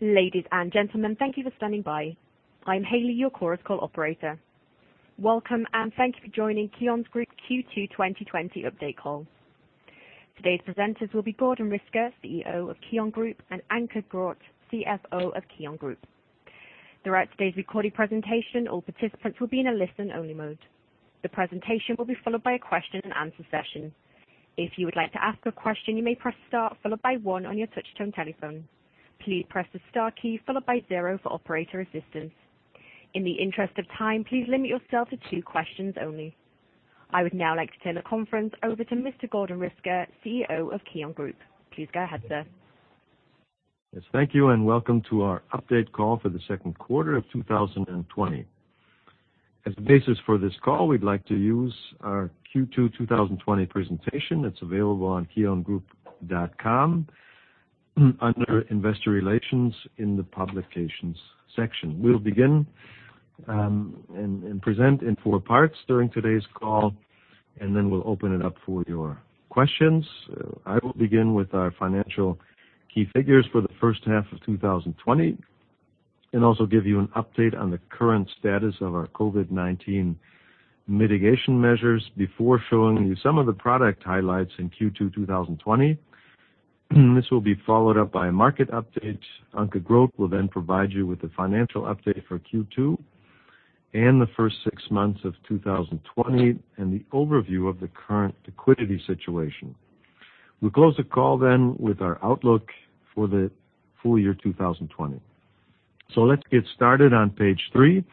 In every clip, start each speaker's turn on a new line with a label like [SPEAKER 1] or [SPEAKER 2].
[SPEAKER 1] Ladies and gentlemen, thank you for standing by. I'm Hayley, your Quorus call operator. Welcome and thank you for joining KION Group's Q2 2020 update call. Today's presenters will be Gordon Riske, CEO of KION Group, and Anke Groth, CFO of KION Group. Throughout today's recorded presentation, all participants will be in a listen-only mode. The presentation will be followed by a question-and-answer session. If you would like to ask a question, you may press star followed by one on your touch-tone telephone. Please press the star key followed by zero for operator assistance. In the interest of time, please limit yourself to two questions only. I would now like to turn the conference over to Mr. Gordon Riske, CEO of KION Group. Please go ahead, sir.
[SPEAKER 2] Yes, thank you and welcome to our update call for the second quarter of 2020. As the basis for this call, we'd like to use our Q2 2020 presentation that's available on kiongroup.com under investor relations in the publications section. We'll begin and present in four parts during today's call, and then we'll open it up for your questions. I will begin with our financial key figures for the first half of 2020 and also give you an update on the current status of our COVID-19 mitigation measures before showing you some of the product highlights in Q2 2020. This will be followed up by a market update. Anke Groth will then provide you with the financial update for Q2 and the first six months of 2020 and the overview of the current liquidity situation. We'll close the call then with our outlook for the full year 2020. Let's get started on page three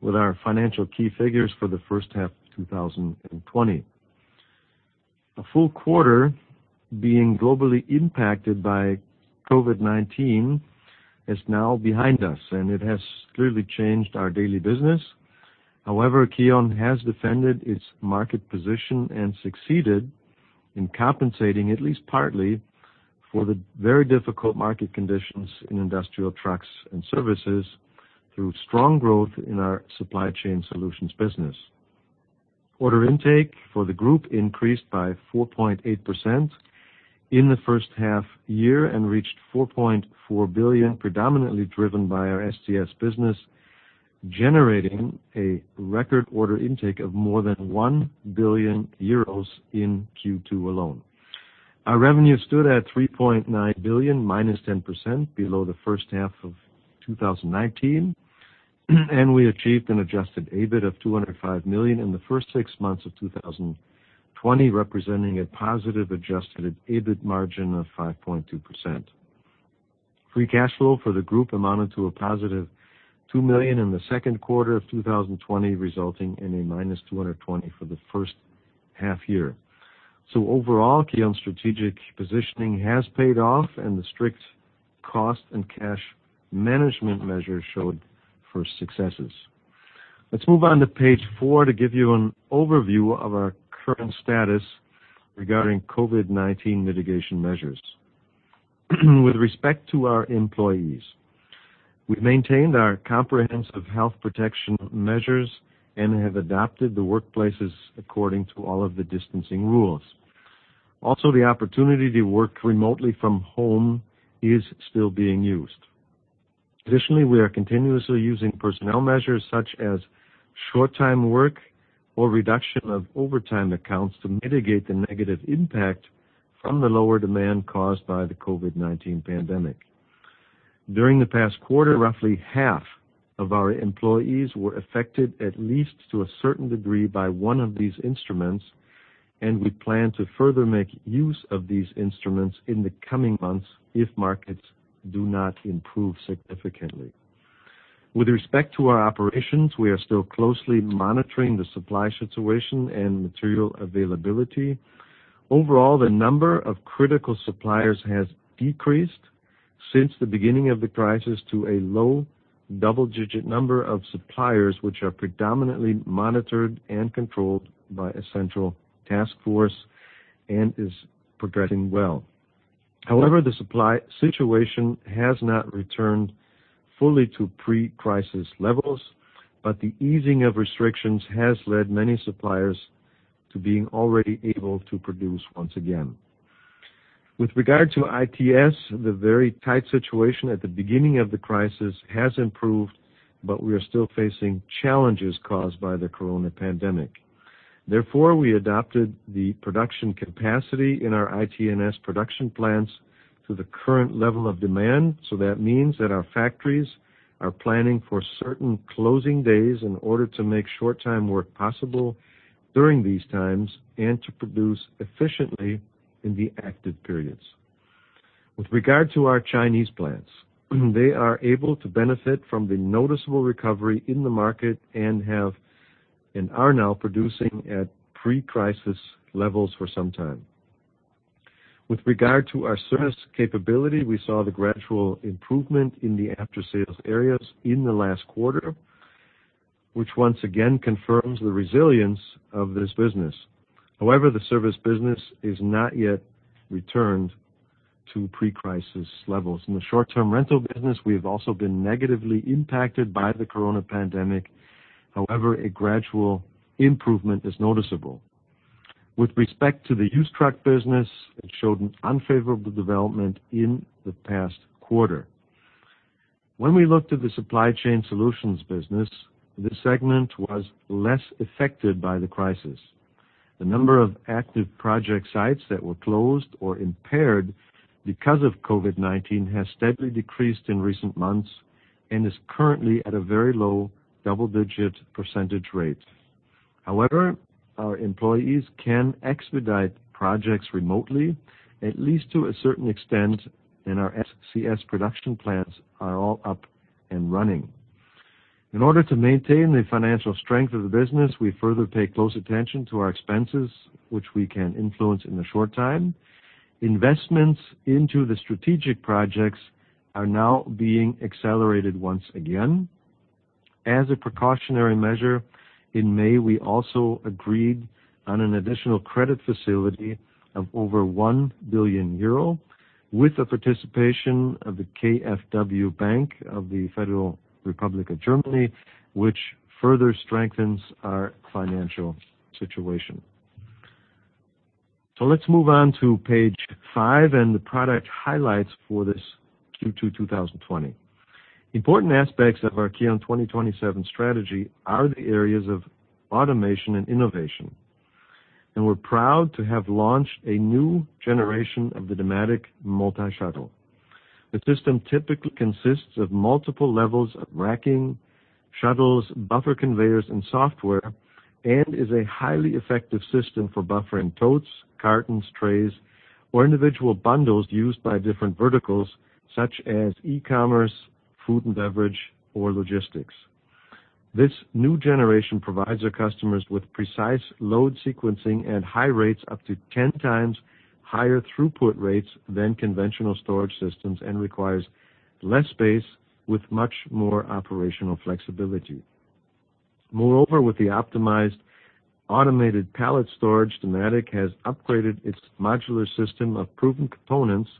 [SPEAKER 2] with our financial key figures for the first half of 2020. A full quarter being globally impacted by COVID-19 is now behind us, and it has clearly changed our daily business. However, KION Group has defended its market position and succeeded in compensating, at least partly, for the very difficult market conditions in industrial trucks and services through strong growth in our supply chain solutions business. Order intake for the group increased by 4.8% in the first half year and reached 4.4 billion, predominantly driven by our SCS business, generating a record order intake of more than 1 billion euros in Q2 alone. Our revenue stood at 3.9 billion, minus 10%, below the first half of 2019, and we achieved an adjusted EBIT of 205 million in the first six months of 2020, representing a positive adjusted EBIT margin of 5.2%. Free cash flow for the group amounted to a positive 2 million in the second quarter of 2020, resulting in a minus 220 million for the first half year. Overall, KION's strategic positioning has paid off, and the strict cost and cash management measures showed first successes. Let's move on to page four to give you an overview of our current status regarding COVID-19 mitigation measures. With respect to our employees, we've maintained our comprehensive health protection measures and have adopted the workplaces according to all of the distancing rules. Also, the opportunity to work remotely from home is still being used. Additionally, we are continuously using personnel measures such as short-time work or reduction of overtime accounts to mitigate the negative impact from the lower demand caused by the COVID-19 pandemic. During the past quarter, roughly half of our employees were affected at least to a certain degree by one of these instruments, and we plan to further make use of these instruments in the coming months if markets do not improve significantly. With respect to our operations, we are still closely monitoring the supply situation and material availability. Overall, the number of critical suppliers has decreased since the beginning of the crisis to a low double-digit number of suppliers, which are predominantly monitored and controlled by a central task force and is progressing well. However, the supply situation has not returned fully to pre-crisis levels, but the easing of restrictions has led many suppliers to being already able to produce once again. With regard to ITS, the very tight situation at the beginning of the crisis has improved, but we are still facing challenges caused by the corona pandemic. Therefore, we adopted the production capacity in our ITS production plants to the current level of demand. That means that our factories are planning for certain closing days in order to make short-time work possible during these times and to produce efficiently in the active periods. With regard to our Chinese plants, they are able to benefit from the noticeable recovery in the market and are now producing at pre-crisis levels for some time. With regard to our service capability, we saw the gradual improvement in the after-sales areas in the last quarter, which once again confirms the resilience of this business. However, the service business has not yet returned to pre-crisis levels. In the short-term rental business, we have also been negatively impacted by the corona pandemic. However, a gradual improvement is noticeable. With respect to the used truck business, it showed an unfavorable development in the past quarter. When we looked at the supply chain solutions business, this segment was less affected by the crisis. The number of active project sites that were closed or impaired because of COVID-19 has steadily decreased in recent months and is currently at a very low double-digit percentage rate. However, our employees can expedite projects remotely, at least to a certain extent, and our STS production plants are all up and running. In order to maintain the financial strength of the business, we further pay close attention to our expenses, which we can influence in the short time. Investments into the strategic projects are now being accelerated once again. As a precautionary measure, in May, we also agreed on an additional credit facility of over 1 billion euro, with the participation of the KfW Bank of the Federal Republic of Germany, which further strengthens our financial situation. Let's move on to page five and the product highlights for this Q2 2020. Important aspects of our KION 2027 strategy are the areas of automation and innovation. We're proud to have launched a new generation of the Dematic Multi-Shuttle. The system typically consists of multiple levels of racking, shuttles, buffer conveyors, and software, and is a highly effective system for buffering totes, cartons, trays, or individual bundles used by different verticals such as e-commerce, food and beverage, or logistics. This new generation provides our customers with precise load sequencing and high rates, up to 10 times higher throughput rates than conventional storage systems, and requires less space with much more operational flexibility. Moreover, with the optimized Automated Pallet Storage, Dematic has upgraded its modular system of proven components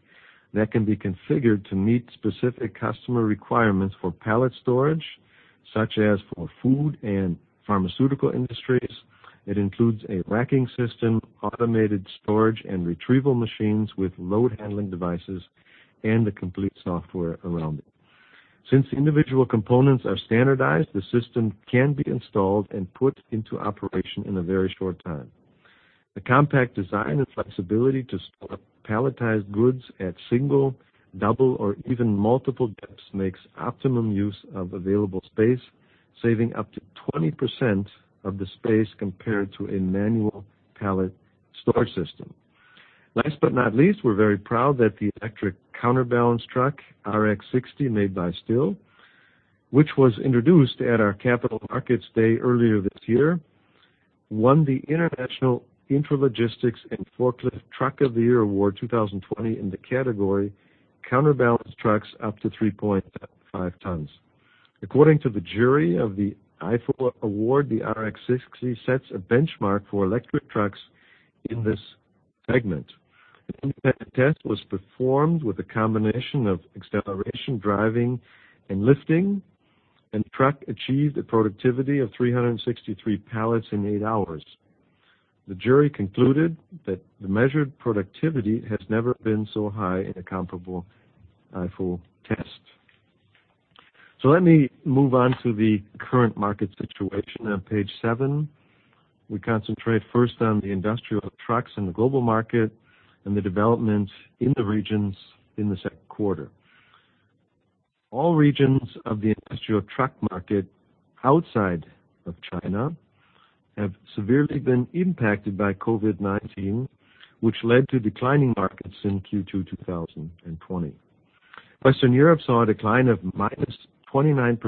[SPEAKER 2] that can be configured to meet specific customer requirements for pallet storage, such as for food and pharmaceutical industries. It includes a racking system, automated storage and retrieval machines with load handling devices, and the complete software around it. Since individual components are standardized, the system can be installed and put into operation in a very short time. The compact design and flexibility to store palletized goods at single, double, or even multiple depths makes optimum use of available space, saving up to 20% of the space compared to a manual pallet store system. Last but not least, we're very proud that the electric counterbalance truck, RX 60, made by STILL, which was introduced at our Capital Markets Day earlier this year, won the International Intralogistics and Forklift Truck of the Year Award 2020 in the category counterbalance trucks up to 3.5 tons. According to the jury of the IFOY award, the RX 60 sets a benchmark for electric trucks in this segment. An independent test was performed with a combination of acceleration, driving, and lifting, and the truck achieved a productivity of 363 pallets in eight hours. The jury concluded that the measured productivity has never been so high in a comparable IFOY test. Let me move on to the current market situation on page seven. We concentrate first on the industrial trucks and the global market and the developments in the regions in the second quarter. All regions of the industrial truck market outside of China have severely been impacted by COVID-19, which led to declining markets in Q2 2020. Western Europe saw a decline of minus 29%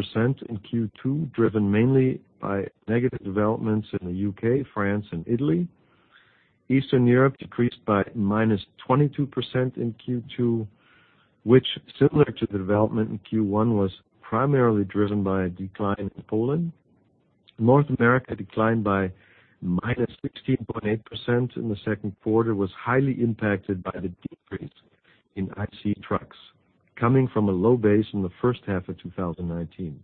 [SPEAKER 2] in Q2, driven mainly by negative developments in the U.K., France, and Italy. Eastern Europe decreased by minus 22% in Q2, which, similar to the development in Q1, was primarily driven by a decline in Poland. North America, declined by minus16.8% in the second quarter, was highly impacted by the decrease in ICE trucks coming from a low base in the first half of 2019.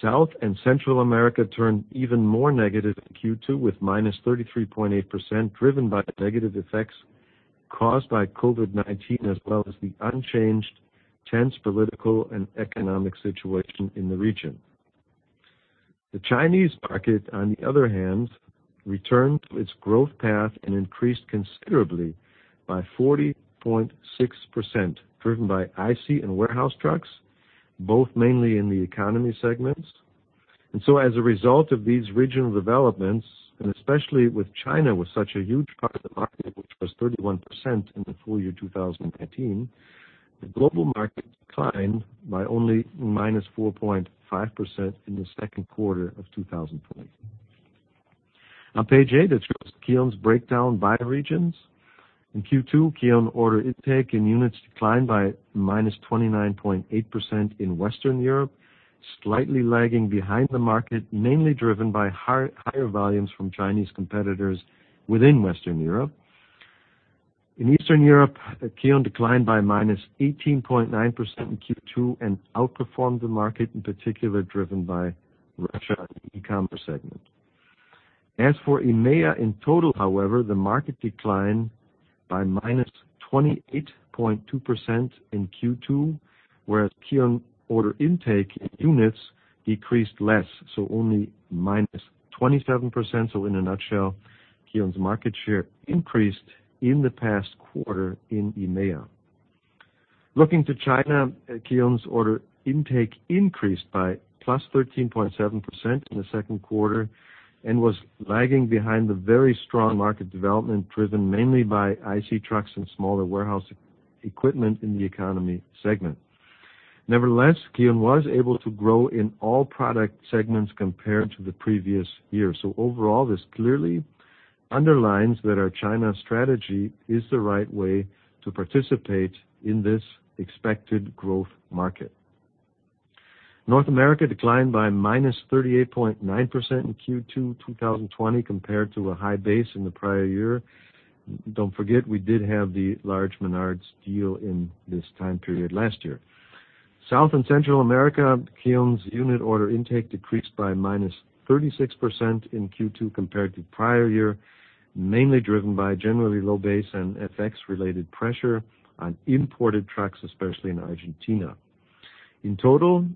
[SPEAKER 2] South and Central America turned even more negative in Q2 with minus 33.8%, driven by negative effects caused by COVID-19, as well as the unchanged tense political and economic situation in the region. The Chinese market, on the other hand, returned to its growth path and increased considerably by 40.6%, driven by ICE and warehouse trucks, both mainly in the economy segments. As a result of these regional developments, and especially with China with such a huge part of the market, which was 31% in the full year 2019, the global market declined by only minus 4.5% in the second quarter of 2020. On page eight, it shows KION's breakdown by regions. In Q2, KION order intake in units declined by minus 29.8% in Western Europe, slightly lagging behind the market, mainly driven by higher volumes from Chinese competitors within Western Europe. In Eastern Europe, KION declined by minus 18.9% in Q2 and outperformed the market, in particular driven by Russia in the e-commerce segment. As for EMEA in total, however, the market declined by minus 28.2% in Q2, whereas KION order intake in units decreased less, so only minus 27%. In a nutshell, KION's market share increased in the past quarter in EMEA. Looking to China, KION's order intake increased by plus 13.7% in the second quarter and was lagging behind the very strong market development, driven mainly by ICE trucks and smaller warehouse equipment in the economy segment. Nevertheless, KION was able to grow in all product segments compared to the previous year. Overall, this clearly underlines that our China strategy is the right way to participate in this expected growth market. North America declined by minus 38.9% in Q2 2020 compared to a high base in the prior year. Don't forget, we did have the large Menards deal in this time period last year. South and Central America, KION's unit order intake decreased by minus 36% in Q2 compared to the prior year, mainly driven by generally low base and FX-related pressure on imported trucks, especially in Argentina. In total,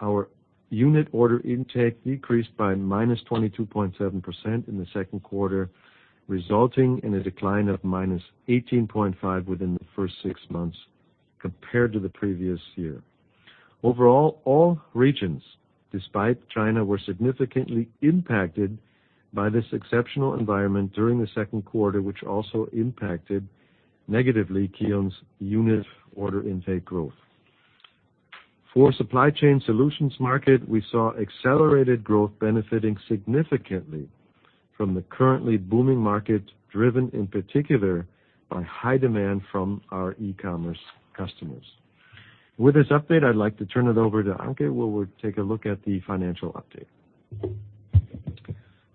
[SPEAKER 2] our unit order intake decreased by minus 22.7% in the second quarter, resulting in a decline of minus 18.5% within the first six months compared to the previous year. Overall, all regions, despite China, were significantly impacted by this exceptional environment during the second quarter, which also impacted negatively KION's unit order intake growth. For supply chain solutions market, we saw accelerated growth benefiting significantly from the currently booming market, driven in particular by high demand from our e-commerce customers. With this update, I'd like to turn it over to Anke, where we'll take a look at the financial update.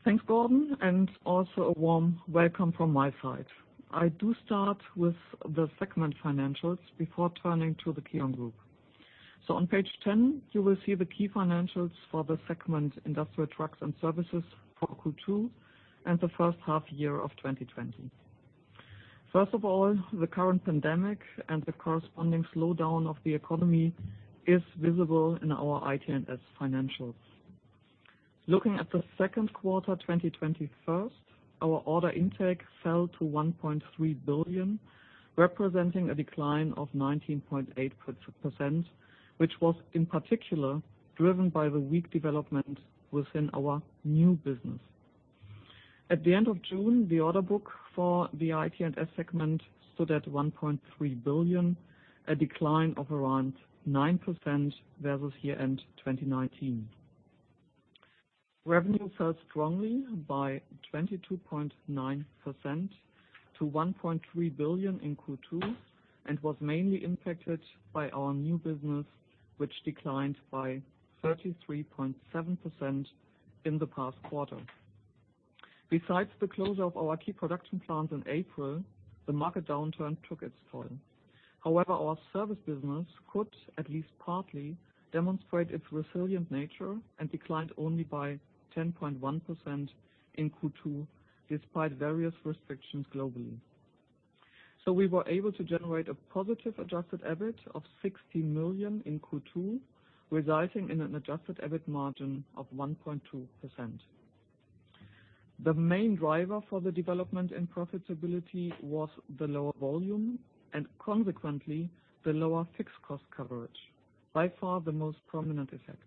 [SPEAKER 3] Thanks, Gordon, and also a warm welcome from my side. I do start with the segment financials before turning to the KION Group. On page 10, you will see the key financials for the segment Industrial Trucks and Services for Q2 and the first half year of 2020. First of all, the current pandemic and the corresponding slowdown of the economy is visible in our ITS financials. Looking at the second quarter 2020, our order intake fell to 1.3 billion, representing a decline of 19.8%, which was in particular driven by the weak development within our new business. At the end of June, the order book for the ITS segment stood at 1.3 billion, a decline of around 9% versus year-end 2019. Revenue fell strongly by 22.9% to 1.3 billion in Q2 and was mainly impacted by our new business, which declined by 33.7% in the past quarter. Besides the closure of our key production plants in April, the market downturn took its toll. However, our service business could, at least partly, demonstrate its resilient nature and declined only by 10.1% in Q2, despite various restrictions globally. We were able to generate a positive adjusted EBIT of 60 million in Q2, resulting in an adjusted EBIT margin of 1.2%. The main driver for the development and profitability was the lower volume and, consequently, the lower fixed cost coverage, by far the most prominent effect.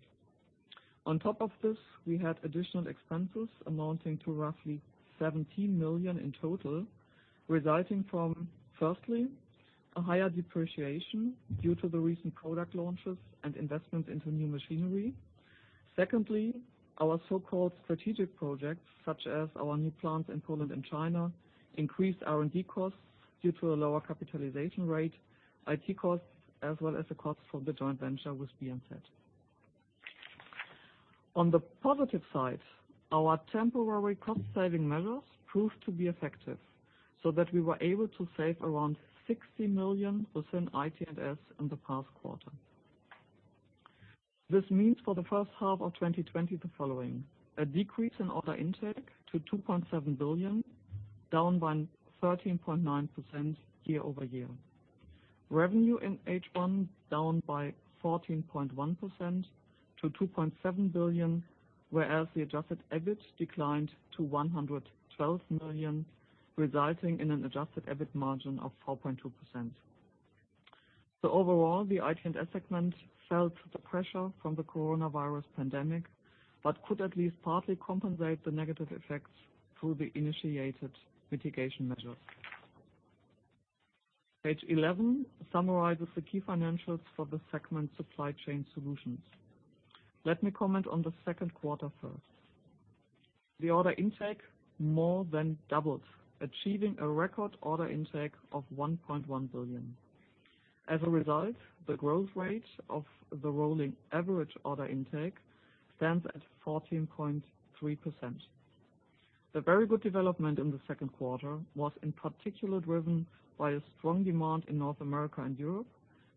[SPEAKER 3] On top of this, we had additional expenses amounting to roughly 17 million in total, resulting from, firstly, a higher depreciation due to the recent product launches and investments into new machinery. Secondly, our so-called strategic projects, such as our new plants in Poland and China, increased R&D costs due to a lower capitalization rate, IT costs, as well as the costs for the joint venture with BMZ. On the positive side, our temporary cost-saving measures proved to be effective, so that we were able to save around 60 million within ITNS in the past quarter. This means for the first half of 2020 the following: a decrease in order intake to 2.7 billion, down by 13.9% year-over-year. Revenue in H1 down by 14.1% to 2.7 billion, whereas the adjusted EBIT declined to 112 million, resulting in an adjusted EBIT margin of 4.2%. Overall, the ITNS segment felt the pressure from the coronavirus pandemic but could at least partly compensate the negative effects through the initiated mitigation measures. Page 11 summarizes the key financials for the segment supply chain solutions. Let me comment on the second quarter first. The order intake more than doubled, achieving a record order intake of 1.1 billion. As a result, the growth rate of the rolling average order intake stands at 14.3%. The very good development in the second quarter was in particular driven by a strong demand in North America and Europe,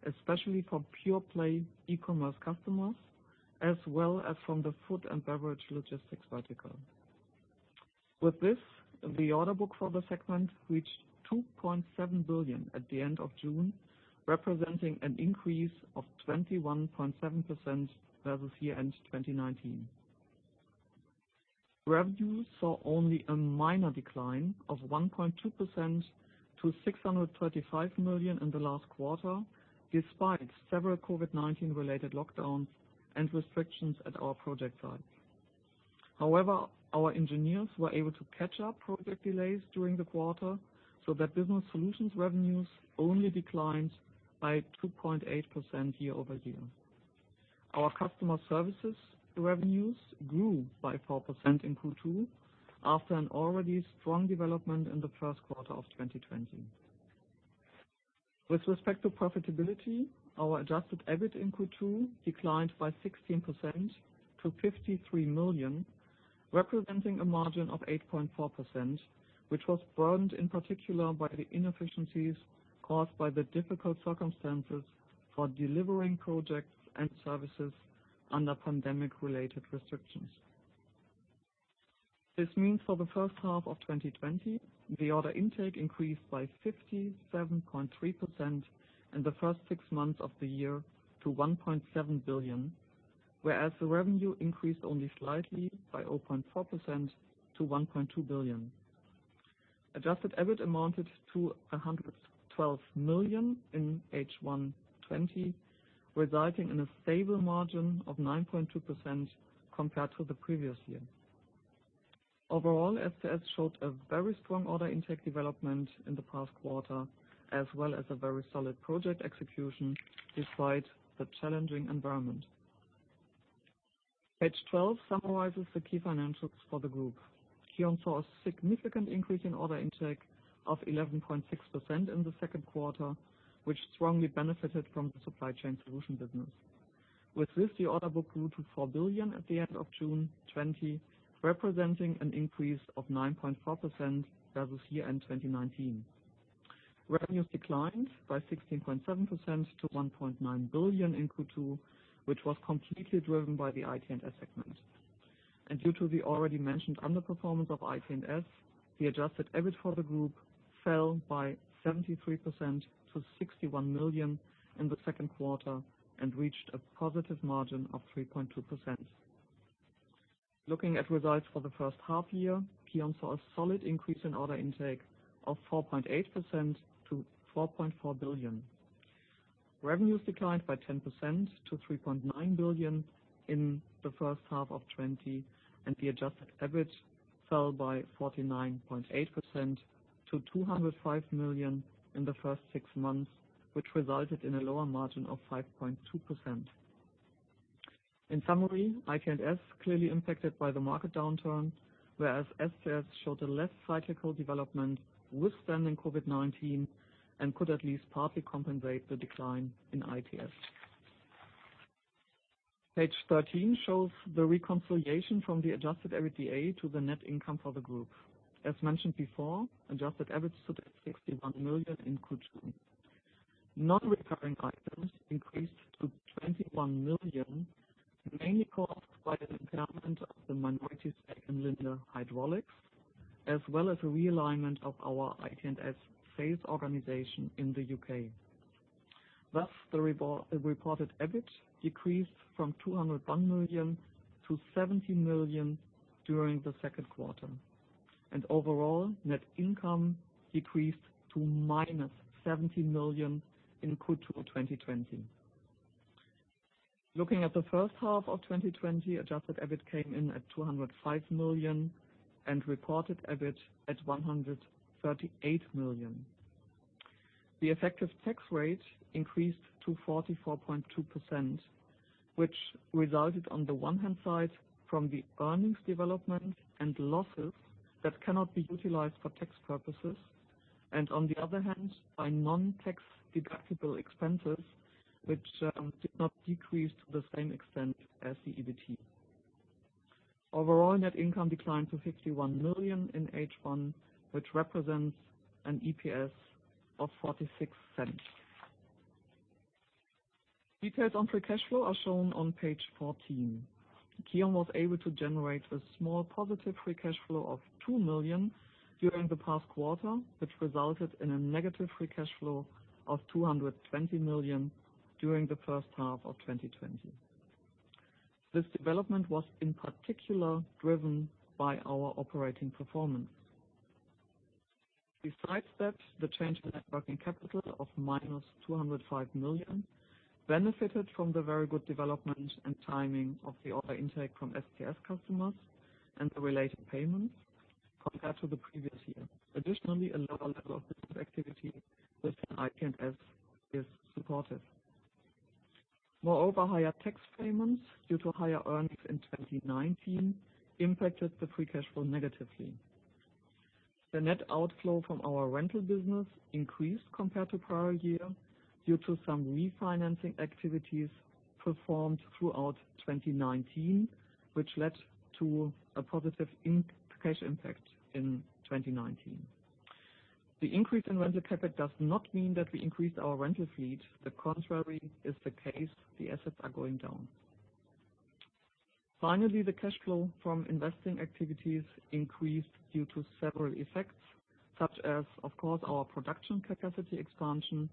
[SPEAKER 3] especially from pure-play e-commerce customers, as well as from the food and beverage logistics vertical. With this, the order book for the segment reached 2.7 billion at the end of June, representing an increase of 21.7% versus year-end 2019. Revenue saw only a minor decline of 1.2% to 635 million in the last quarter, despite several COVID-19-related lockdowns and restrictions at our project site. However, our engineers were able to catch up project delays during the quarter, so that business solutions revenues only declined by 2.8% year-over-year. Our customer services revenues grew by 4% in Q2 after an already strong development in the first quarter of 2020. With respect to profitability, our adjusted EBIT in Q2 declined by 16% to 53 million, representing a margin of 8.4%, which was burdened in particular by the inefficiencies caused by the difficult circumstances for delivering projects and services under pandemic-related restrictions. This means for the first half of 2020, the order intake increased by 57.3% in the first six months of the year to 1.7 billion, whereas the revenue increased only slightly by 0.4% to 1.2 billion. Adjusted EBIT amounted to 112 million in H1 2020, resulting in a stable margin of 9.2% compared to the previous year. Overall, STS showed a very strong order intake development in the past quarter, as well as a very solid project execution despite the challenging environment. Page 12 summarizes the key financials for the group. KION saw a significant increase in order intake of 11.6% in the second quarter, which strongly benefited from the supply chain solution business. With this, the order book grew to 4 billion at the end of June 2020, representing an increase of 9.4% versus year-end 2019. Revenues declined by 16.7% to 1.9 billion in Q2, which was completely driven by the ITS segment. Due to the already mentioned underperformance of ITS, the adjusted EBIT for the group fell by 73% to 61 million in the second quarter and reached a positive margin of 3.2%. Looking at results for the first half year, KION saw a solid increase in order intake of 4.8% to 4.4 billion. Revenues declined by 10% to 3.9 billion in the first half of 2020, and the adjusted EBIT fell by 49.8% to 205 million in the first six months, which resulted in a lower margin of 5.2%. In summary, ITS clearly impacted by the market downturn, whereas SCS showed a less cyclical development withstanding COVID-19 and could at least partly compensate the decline in ITS. Page 13 shows the reconciliation from the adjusted EBITDA to the net income for the group. As mentioned before, adjusted EBIT stood at 61 million in Q2. Non-recurring items increased to 21 million, mainly caused by the impairment of the minority stake in Linde Hydraulics, as well as a realignment of our ITS sales organization in the U.K. Thus, the reported EBIT decreased from 201 million to 70 million during the second quarter. Overall, net income decreased to minus 70 million in Q2 2020. Looking at the first half of 2020, adjusted EBIT came in at 205 million and reported EBIT at 138 million. The effective tax rate increased to 44.2%, which resulted on the one hand side from the earnings development and losses that cannot be utilized for tax purposes, and on the other hand, by non-tax deductible expenses, which did not decrease to the same extent as the EBT. Overall, net income declined to 51 million in H1, which represents an EPS of 0.46. Details on free cash flow are shown on page 14. KION was able to generate a small positive free cash flow of 2 million during the past quarter, which resulted in a negative free cash flow of 220 million during the first half of 2020. This development was in particular driven by our operating performance. Besides that, the change in net working capital of EUR minus 205 million benefited from the very good development and timing of the order intake from SCS customers and the related payments compared to the previous year. Additionally, a lower level of business activity within ITS is supportive. Moreover, higher tax payments due to higher earnings in 2019 impacted the free cash flow negatively. The net outflow from our rental business increased compared to prior year due to some refinancing activities performed throughout 2019, which led to a positive cash impact in 2019. The increase in rental capital does not mean that we increased our rental fleet. The contrary is the case; the assets are going down. Finally, the cash flow from investing activities increased due to several effects, such as, of course, our production capacity expansion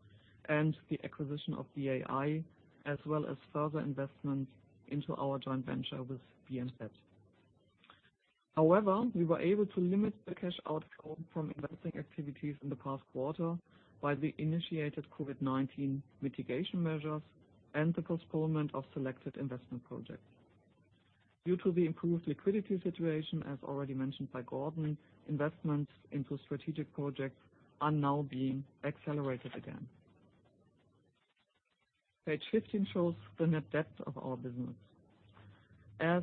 [SPEAKER 3] and the acquisition of BAI, as well as further investment into our joint venture with BMZ. However, we were able to limit the cash outflow from investing activities in the past quarter by the initiated COVID-19 mitigation measures and the postponement of selected investment projects. Due to the improved liquidity situation, as already mentioned by Gordon, investments into strategic projects are now being accelerated again. Page 15 shows the net debt of our business. As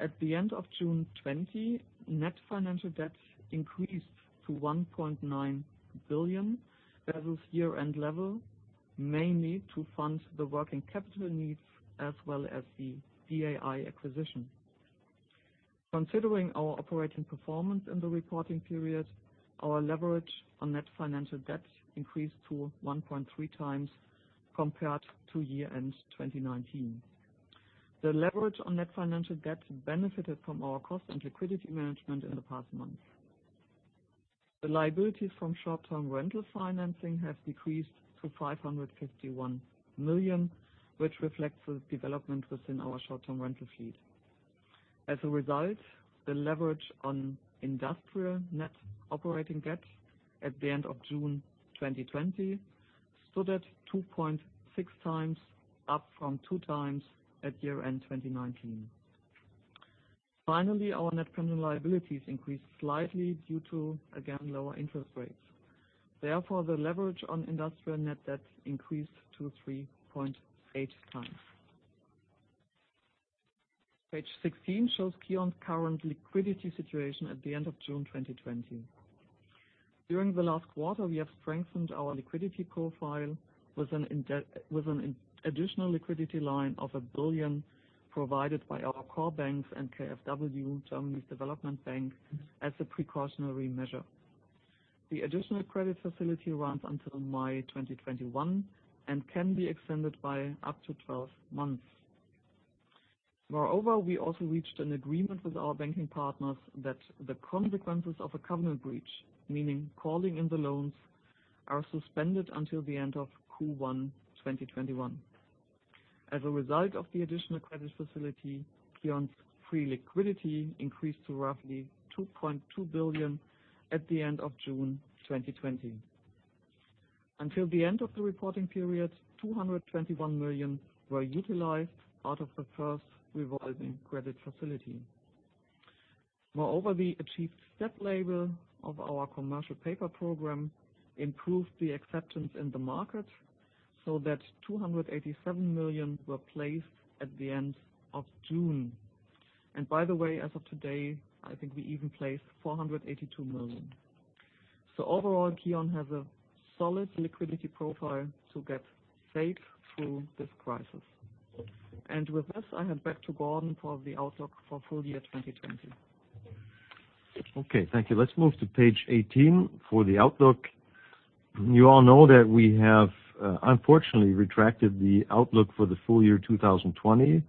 [SPEAKER 3] at the end of June 2020, net financial debt increased to 1.9 billion versus year-end level, mainly to fund the working capital needs as well as the BAI acquisition. Considering our operating performance in the reporting period, our leverage on net financial debt increased to 1.3 times compared to year-end 2019. The leverage on net financial debt benefited from our cost and liquidity management in the past month. The liabilities from short-term rental financing have decreased to 551 million, which reflects the development within our short-term rental fleet. As a result, the leverage on industrial net operating debt at the end of June 2020 stood at 2.6 times, up from 2 times at year-end 2019. Finally, our net pending liabilities increased slightly due to, again, lower interest rates. Therefore, the leverage on industrial net debt increased to 3.8 times. Page 16 shows KION's current liquidity situation at the end of June 2020. During the last quarter, we have strengthened our liquidity profile with an additional liquidity line of 1 billion provided by our core banks and KfW Bank, Germany's development bank, as a precautionary measure. The additional credit facility runs until May 2021 and can be extended by up to 12 months. Moreover, we also reached an agreement with our banking partners that the consequences of a covenant breach, meaning calling in the loans, are suspended until the end of Q1 2021. As a result of the additional credit facility, KION's free liquidity increased to roughly 2.2 billion at the end of June 2020. Until the end of the reporting period, 221 million were utilized out of the first revolving credit facility. Moreover, the achieved step label of our commercial paper program improved the acceptance in the market so that 287 million were placed at the end of June. By the way, as of today, I think we even placed 482 million. Overall, KION has a solid liquidity profile to get safe through this crisis. With this, I hand back to Gordon for the outlook for full year 2020.
[SPEAKER 2] Okay, thank you. Let's move to page 18 for the outlook. You all know that we have, unfortunately, retracted the outlook for the full year 2020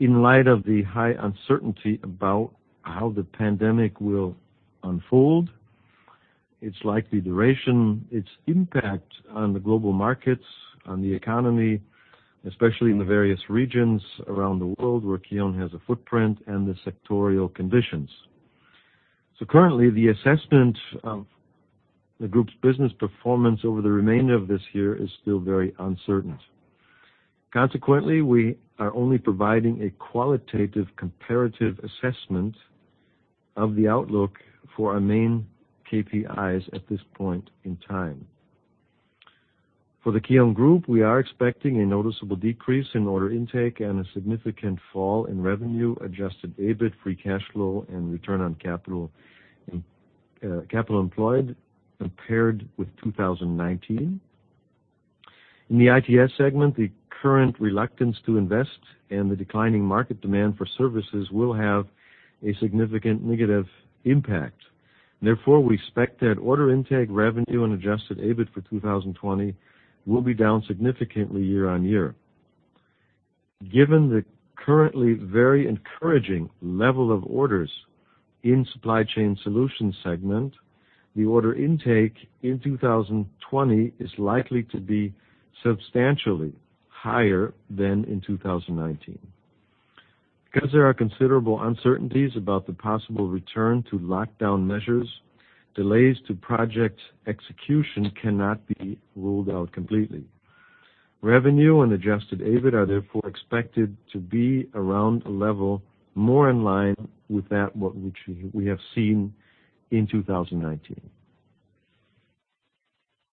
[SPEAKER 2] in light of the high uncertainty about how the pandemic will unfold, its likely duration, its impact on the global markets, on the economy, especially in the various regions around the world where KION has a footprint, and the sectorial conditions. Currently, the assessment of the group's business performance over the remainder of this year is still very uncertain. Consequently, we are only providing a qualitative comparative assessment of the outlook for our main KPIs at this point in time. For the KION Group, we are expecting a noticeable decrease in order intake and a significant fall in revenue, adjusted EBIT, free cash flow, and return on capital employed compared with 2019. In the ITS segment, the current reluctance to invest and the declining market demand for services will have a significant negative impact. Therefore, we expect that order intake, revenue, and adjusted EBIT for 2020 will be down significantly year-on-year. Given the currently very encouraging level of orders in the Supply Chain Solutions segment, the order intake in 2020 is likely to be substantially higher than in 2019. Because there are considerable uncertainties about the possible return to lockdown measures, delays to project execution cannot be ruled out completely. Revenue and adjusted EBIT are therefore expected to be around a level more in line with that which we have seen in 2019.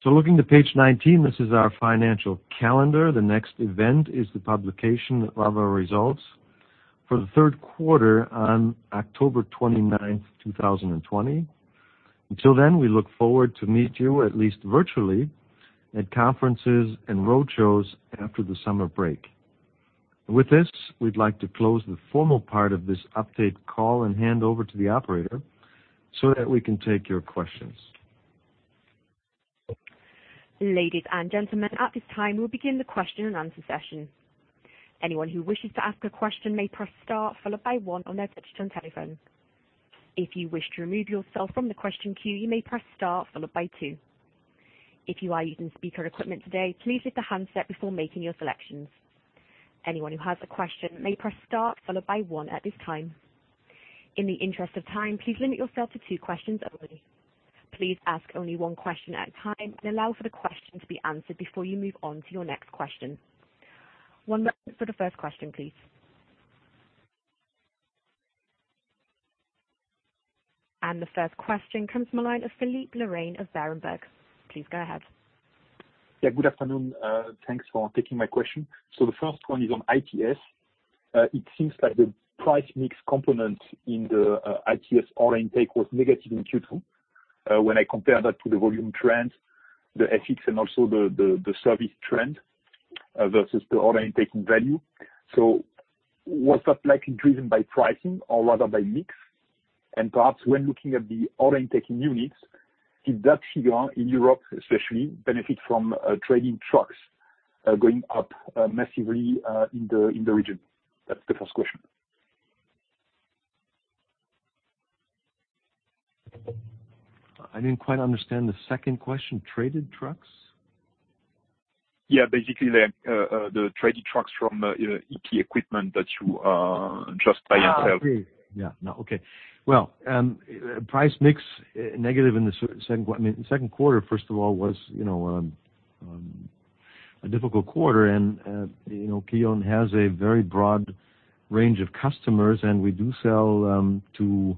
[SPEAKER 2] Looking to page 19, this is our financial calendar. The next event is the publication of our results for the third quarter on October 29, 2020. Until then, we look forward to meeting you, at least virtually, at conferences and roadshows after the summer break. With this, we'd like to close the formal part of this update call and hand over to the operator so that we can take your questions.
[SPEAKER 1] Ladies and gentlemen, at this time, we'll begin the question and answer session. Anyone who wishes to ask a question may press star, followed by one on their digital telephone. If you wish to remove yourself from the question queue, you may press star, followed by two. If you are using speaker equipment today, please leave the handset before making your selections. Anyone who has a question may press star, followed by one at this time. In the interest of time, please limit yourself to two questions only. Please ask only one question at a time and allow for the question to be answered before you move on to your next question. One moment for the first question, please. The first question comes from a line of Philippe Lorrain of Berenberg. Please go ahead.
[SPEAKER 4] Yeah, good afternoon. Thanks for taking my question. The first one is on ITS. It seems that the price mix component in the ITS order intake was negative in Q2 when I compared that to the volume trend, the FX, and also the service trend versus the order intake in value. Was that likely driven by pricing or rather by mix? Perhaps when looking at the order intake in units, did that figure in Europe, especially, benefit from trading trucks going up massively in the region? That's the first question.
[SPEAKER 2] I didn't quite understand the second question. Traded trucks?
[SPEAKER 4] Yeah, basically the traded trucks from EP Equipment that you just buy and sell.
[SPEAKER 2] Oh, okay. Yeah. No, okay. Price mix negative in the second quarter, first of all, was a difficult quarter. KION has a very broad range of customers, and we do sell to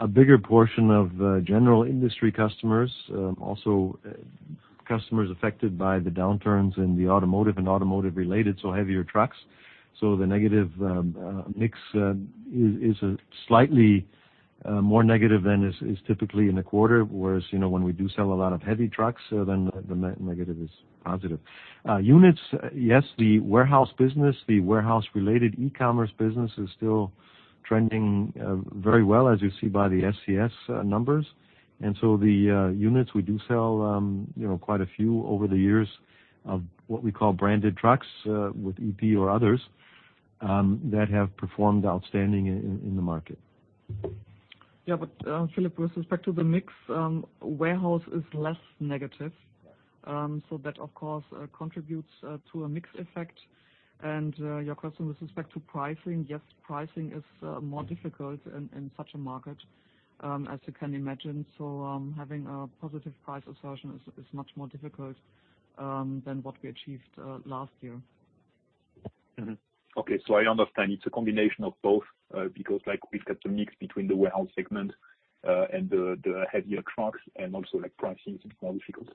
[SPEAKER 2] a bigger portion of general industry customers, also customers affected by the downturns in the automotive and automotive-related, so heavier trucks. The negative mix is slightly more negative than is typically in the quarter, whereas when we do sell a lot of heavy trucks, then the negative is positive. Units, yes, the warehouse business, the warehouse-related e-commerce business is still trending very well, as you see by the SCS numbers. The units, we do sell quite a few over the years of what we call branded trucks with EP or others that have performed outstanding in the market.
[SPEAKER 3] Yeah, Philippe, with respect to the mix, warehouse is less negative. That, of course, contributes to a mixed effect. Your question with respect to pricing, yes, pricing is more difficult in such a market, as you can imagine. Having a positive price assertion is much more difficult than what we achieved last year.
[SPEAKER 4] Okay, I understand it's a combination of both because we've got the mix between the warehouse segment and the heavier trucks, and also pricing is more difficult.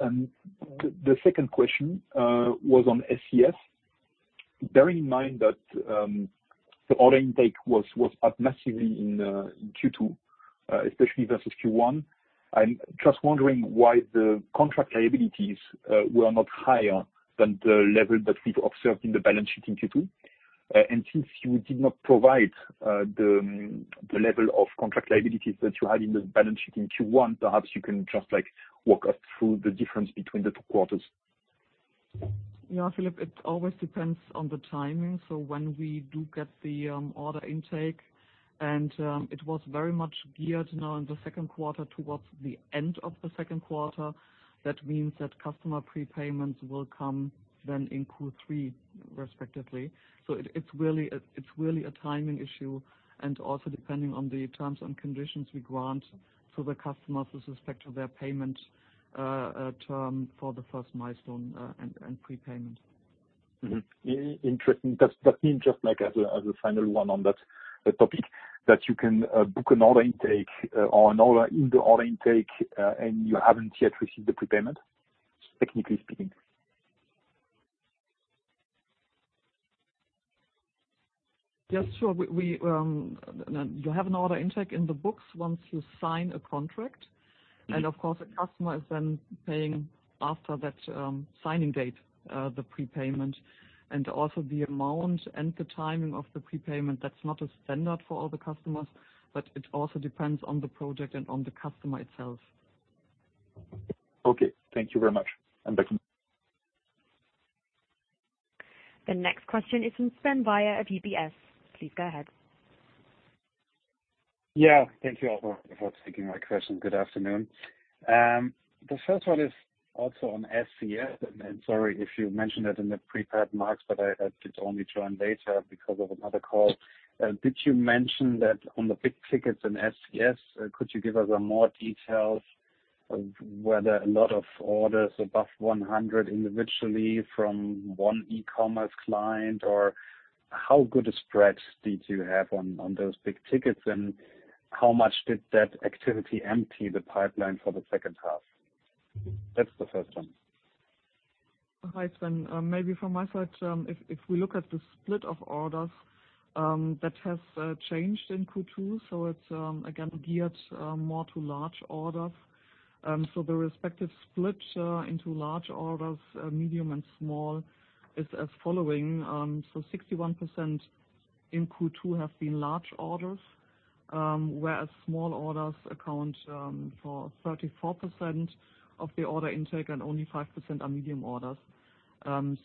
[SPEAKER 4] The second question was on SCS. Bearing in mind that the order intake was up massively in Q2, especially versus Q1, I'm just wondering why the contract liabilities were not higher than the level that we've observed in the balance sheet in Q2. Since you did not provide the level of contract liabilities that you had in the balance sheet in Q1, perhaps you can just walk us through the difference between the two quarters.
[SPEAKER 3] Yeah, Philippe, it always depends on the timing. When we do get the order intake, and it was very much geared now in the second quarter towards the end of the second quarter, that means that customer prepayments will come then in Q3, respectively. It is really a timing issue. Also, depending on the terms and conditions we grant to the customers with respect to their payment term for the first milestone and prepayment.
[SPEAKER 4] Interesting.That is me just as a final one on that topic, that you can book an order intake or an order in the order intake, and you have not yet received the prepayment, technically speaking?
[SPEAKER 3] Yes, sure. You have an order intake in the books once you sign a contract. Of course, a customer is then paying after that signing date, the prepayment. Also, the amount and the timing of the prepayment, that is not a standard for all the customers, but it also depends on the project and on the customer itself.
[SPEAKER 4] Okay, thank you very much. Back to you.
[SPEAKER 1] The next question is from Sven Weier UBS. Please go ahead.
[SPEAKER 5] Thank you all for taking my question. Good afternoon. The first one is also on SCS. Sorry if you mentioned that in the prepared marks, but I had to only join later because of another call. Did you mention that on the big tickets in SCS, could you give us more details of whether a lot of orders above 100 individually from one e-commerce client, or how good a spread did you have on those big tickets, and how much did that activity empty the pipeline for the second half? That's the first one.
[SPEAKER 3] Hi, Sven. Maybe from my side, if we look at the split of orders, that has changed in Q2. It is, again, geared more to large orders. The respective split into large orders, medium, and small is as following. 61% in Q2 have been large orders, whereas small orders account for 34% of the order intake and only 5% are medium orders.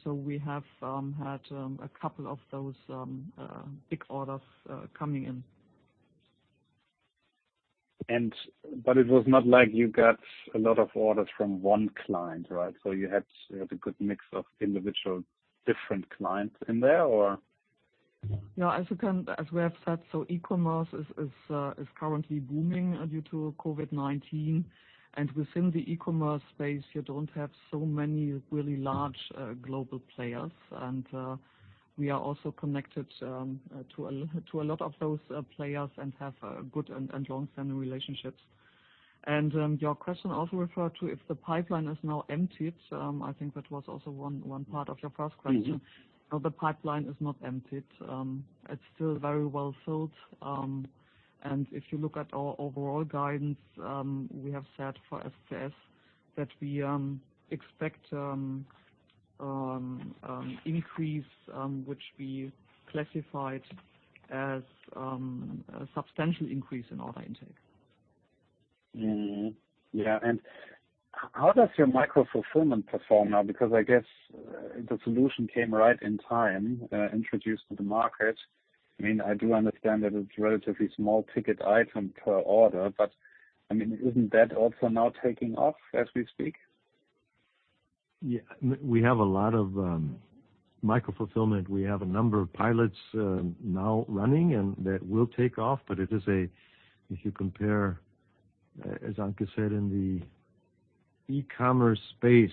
[SPEAKER 3] We have had a couple of those big orders coming in.
[SPEAKER 5] It was not like you got a lot of orders from one client, right? You had a good mix of individual different clients in there, or?
[SPEAKER 3] Yeah, as we have said, e-commerce is currently booming due to COVID-19. Within the e-commerce space, you do not have so many really large global players. We are also connected to a lot of those players and have good and long-standing relationships. Your question also referred to if the pipeline is now emptied. I think that was also one part of your first question. No, the pipeline is not emptied. It is still very well filled. If you look at our overall guidance, we have said for SCS that we expect increase, which we classified as a substantial increase in order intake.
[SPEAKER 5] Yeah. How does your micro fulfillment perform now? Because I guess the solution came right in time, introduced to the market. I mean, I do understand that it's a relatively small ticket item per order, but I mean, isn't that also now taking off as we speak?
[SPEAKER 2] Yeah. We have a lot of micro fulfillment. We have a number of pilots now running and that will take off. If you compare, as Anke said, in the e-commerce space,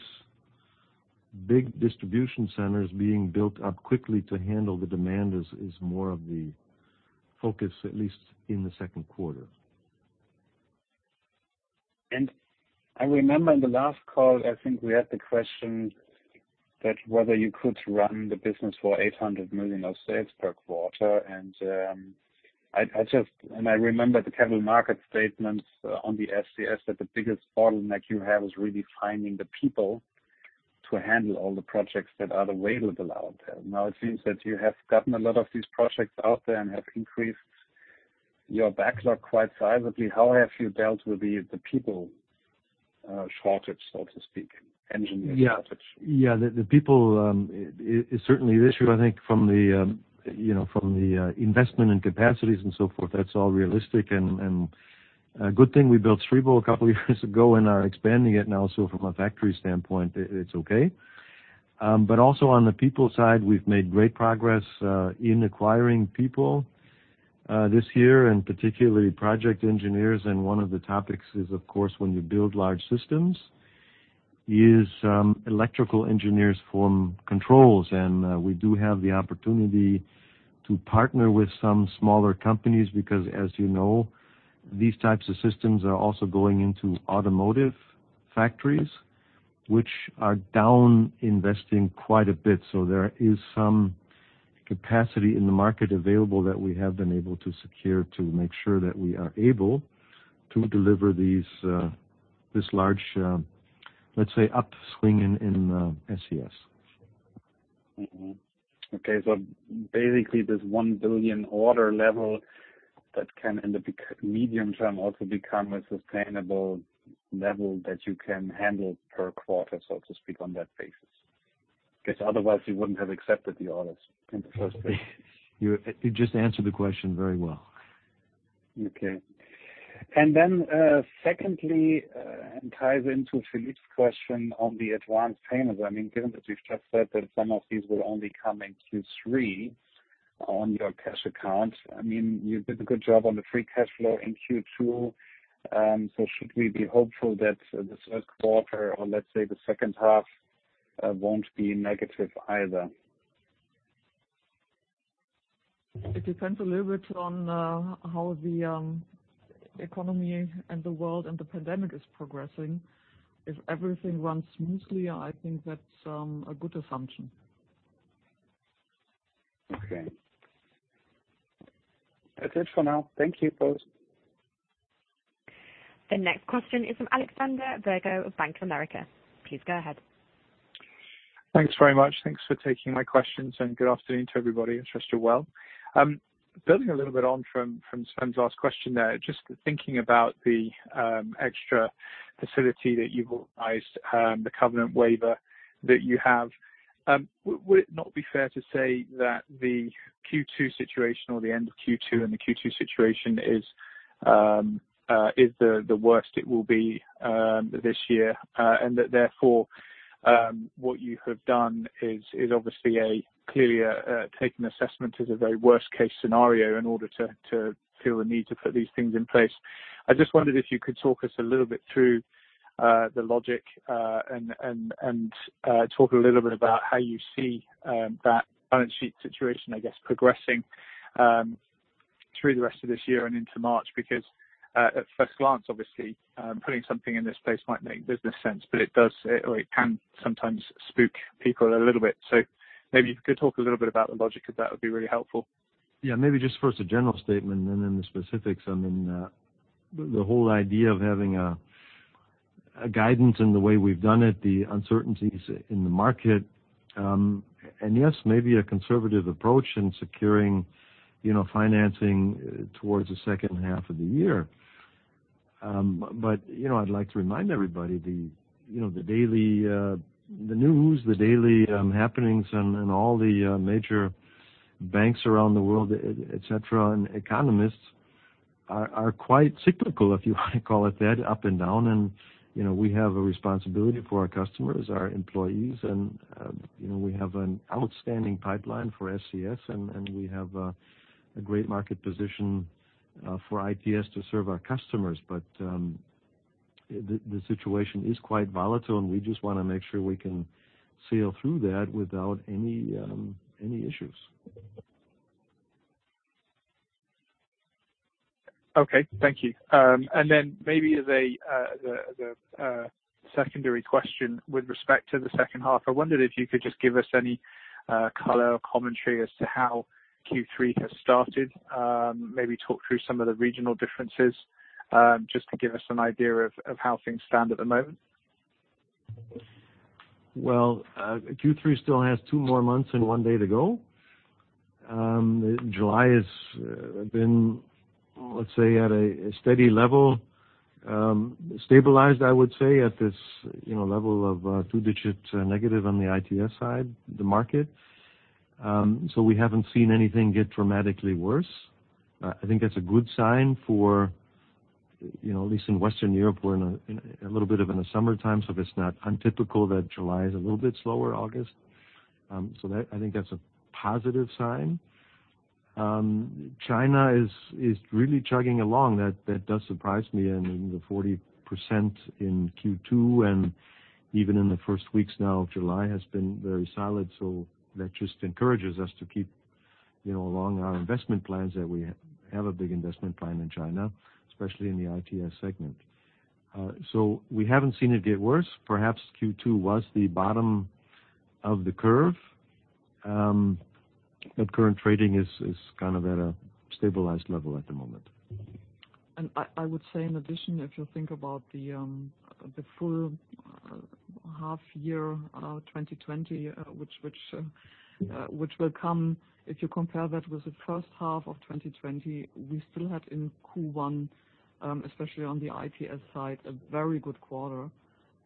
[SPEAKER 2] big distribution centers being built up quickly to handle the demand is more of the focus, at least in the second quarter.
[SPEAKER 5] I remember in the last call, I think we had the question whether you could run the business for $800 million of sales per quarter. I remember the capital market statements on the SCS that the biggest bottleneck you have is really finding the people to handle all the projects that are available out there. Now, it seems that you have gotten a lot of these projects out there and have increased your backlog quite sizably. How have you dealt with the people shortage, so to speak, engineering shortage?
[SPEAKER 2] Yeah, the people is certainly an issue, I think, from the investment and capacities and so forth. That's all realistic. A good thing we built Sribo a couple of years ago and are expanding it now. From a factory standpoint, it's okay. Also on the people side, we've made great progress in acquiring people this year, and particularly project engineers. One of the topics is, of course, when you build large systems, electrical engineers form controls. We do have the opportunity to partner with some smaller companies because, as you know, these types of systems are also going into automotive factories, which are down investing quite a bit. There is some capacity in the market available that we have been able to secure to make sure that we are able to deliver this large, let's say, upswing in SCS.
[SPEAKER 5] Okay. Basically, there is one billion order level that can, in the medium term, also become a sustainable level that you can handle per quarter, so to speak, on that basis. Because otherwise, you would not have accepted the orders in the first place.
[SPEAKER 2] You just answered the question very well.
[SPEAKER 5] Okay. Then secondly, ties into Philippe's question on the advanced payments. I mean, given that we have just said that some of these will only come in Q3 on your cash account, I mean, you did a good job on the free cash flow in Q2. Should we be hopeful that the third quarter, or let's say the second half, will not be negative either?
[SPEAKER 3] It depends a little bit on how the economy and the world and the pandemic is progressing. If everything runs smoothly, I think that's a good assumption.
[SPEAKER 5] Okay. That's it for now. Thank you both.
[SPEAKER 1] The next question is from Alexander Virgo of Bank of America. Please go ahead.
[SPEAKER 6] Thanks very much. Thanks for taking my questions. And good afternoon to everybody. I trust you're well. Building a little bit on from Sven's last question there, just thinking about the extra facility that you've organized, the covenant waiver that you have, would it not be fair to say that the Q2 situation or the end of Q2 and the Q2 situation is the worst it will be this year? And that therefore, what you have done is obviously a clearly taken assessment as a very worst-case scenario in order to feel the need to put these things in place. I just wondered if you could talk us a little bit through the logic and talk a little bit about how you see that balance sheet situation, I guess, progressing through the rest of this year and into March. Because at first glance, obviously, putting something in this place might make business sense, but it does or it can sometimes spook people a little bit. Maybe if you could talk a little bit about the logic of that would be really helpful.
[SPEAKER 2] Yeah. Maybe just first a general statement and then the specifics. I mean, the whole idea of having guidance in the way we've done it, the uncertainties in the market, and yes, maybe a conservative approach in securing financing towards the second half of the year. I'd like to remind everybody the daily news, the daily happenings, and all the major banks around the world, etc., and economists are quite cyclical, if you want to call it that, up and down. We have a responsibility for our customers, our employees, and we have an outstanding pipeline for SCS, and we have a great market position for IPS to serve our customers. The situation is quite volatile, and we just want to make sure we can sail through that without any issues.
[SPEAKER 6] Okay. Thank you. Maybe as a secondary question with respect to the second half, I wondered if you could just give us any color or commentary as to how Q3 has started, maybe talk through some of the regional differences just to give us an idea of how things stand at the moment.
[SPEAKER 2] Q3 still has two more months and one day to go. July has been, let's say, at a steady level, stabilized, I would say, at this level of two-digit negative on the ITS side, the market. We haven't seen anything get dramatically worse. I think that's a good sign for, at least in Western Europe, we're in a little bit of a summertime, so it's not untypical that July is a little bit slower, August. I think that's a positive sign. China is really chugging along. That does surprise me. The 40% in Q2 and even in the first weeks now of July has been very solid. That just encourages us to keep along our investment plans that we have a big investment plan in China, especially in the ITS segment. We haven't seen it get worse. Perhaps Q2 was the bottom of the curve, but current trading is kind of at a stabilized level at the moment.
[SPEAKER 3] I would say, in addition, if you think about the full half year 2020, which will come, if you compare that with the first half of 2020, we still had in Q1, especially on the ITS side, a very good quarter.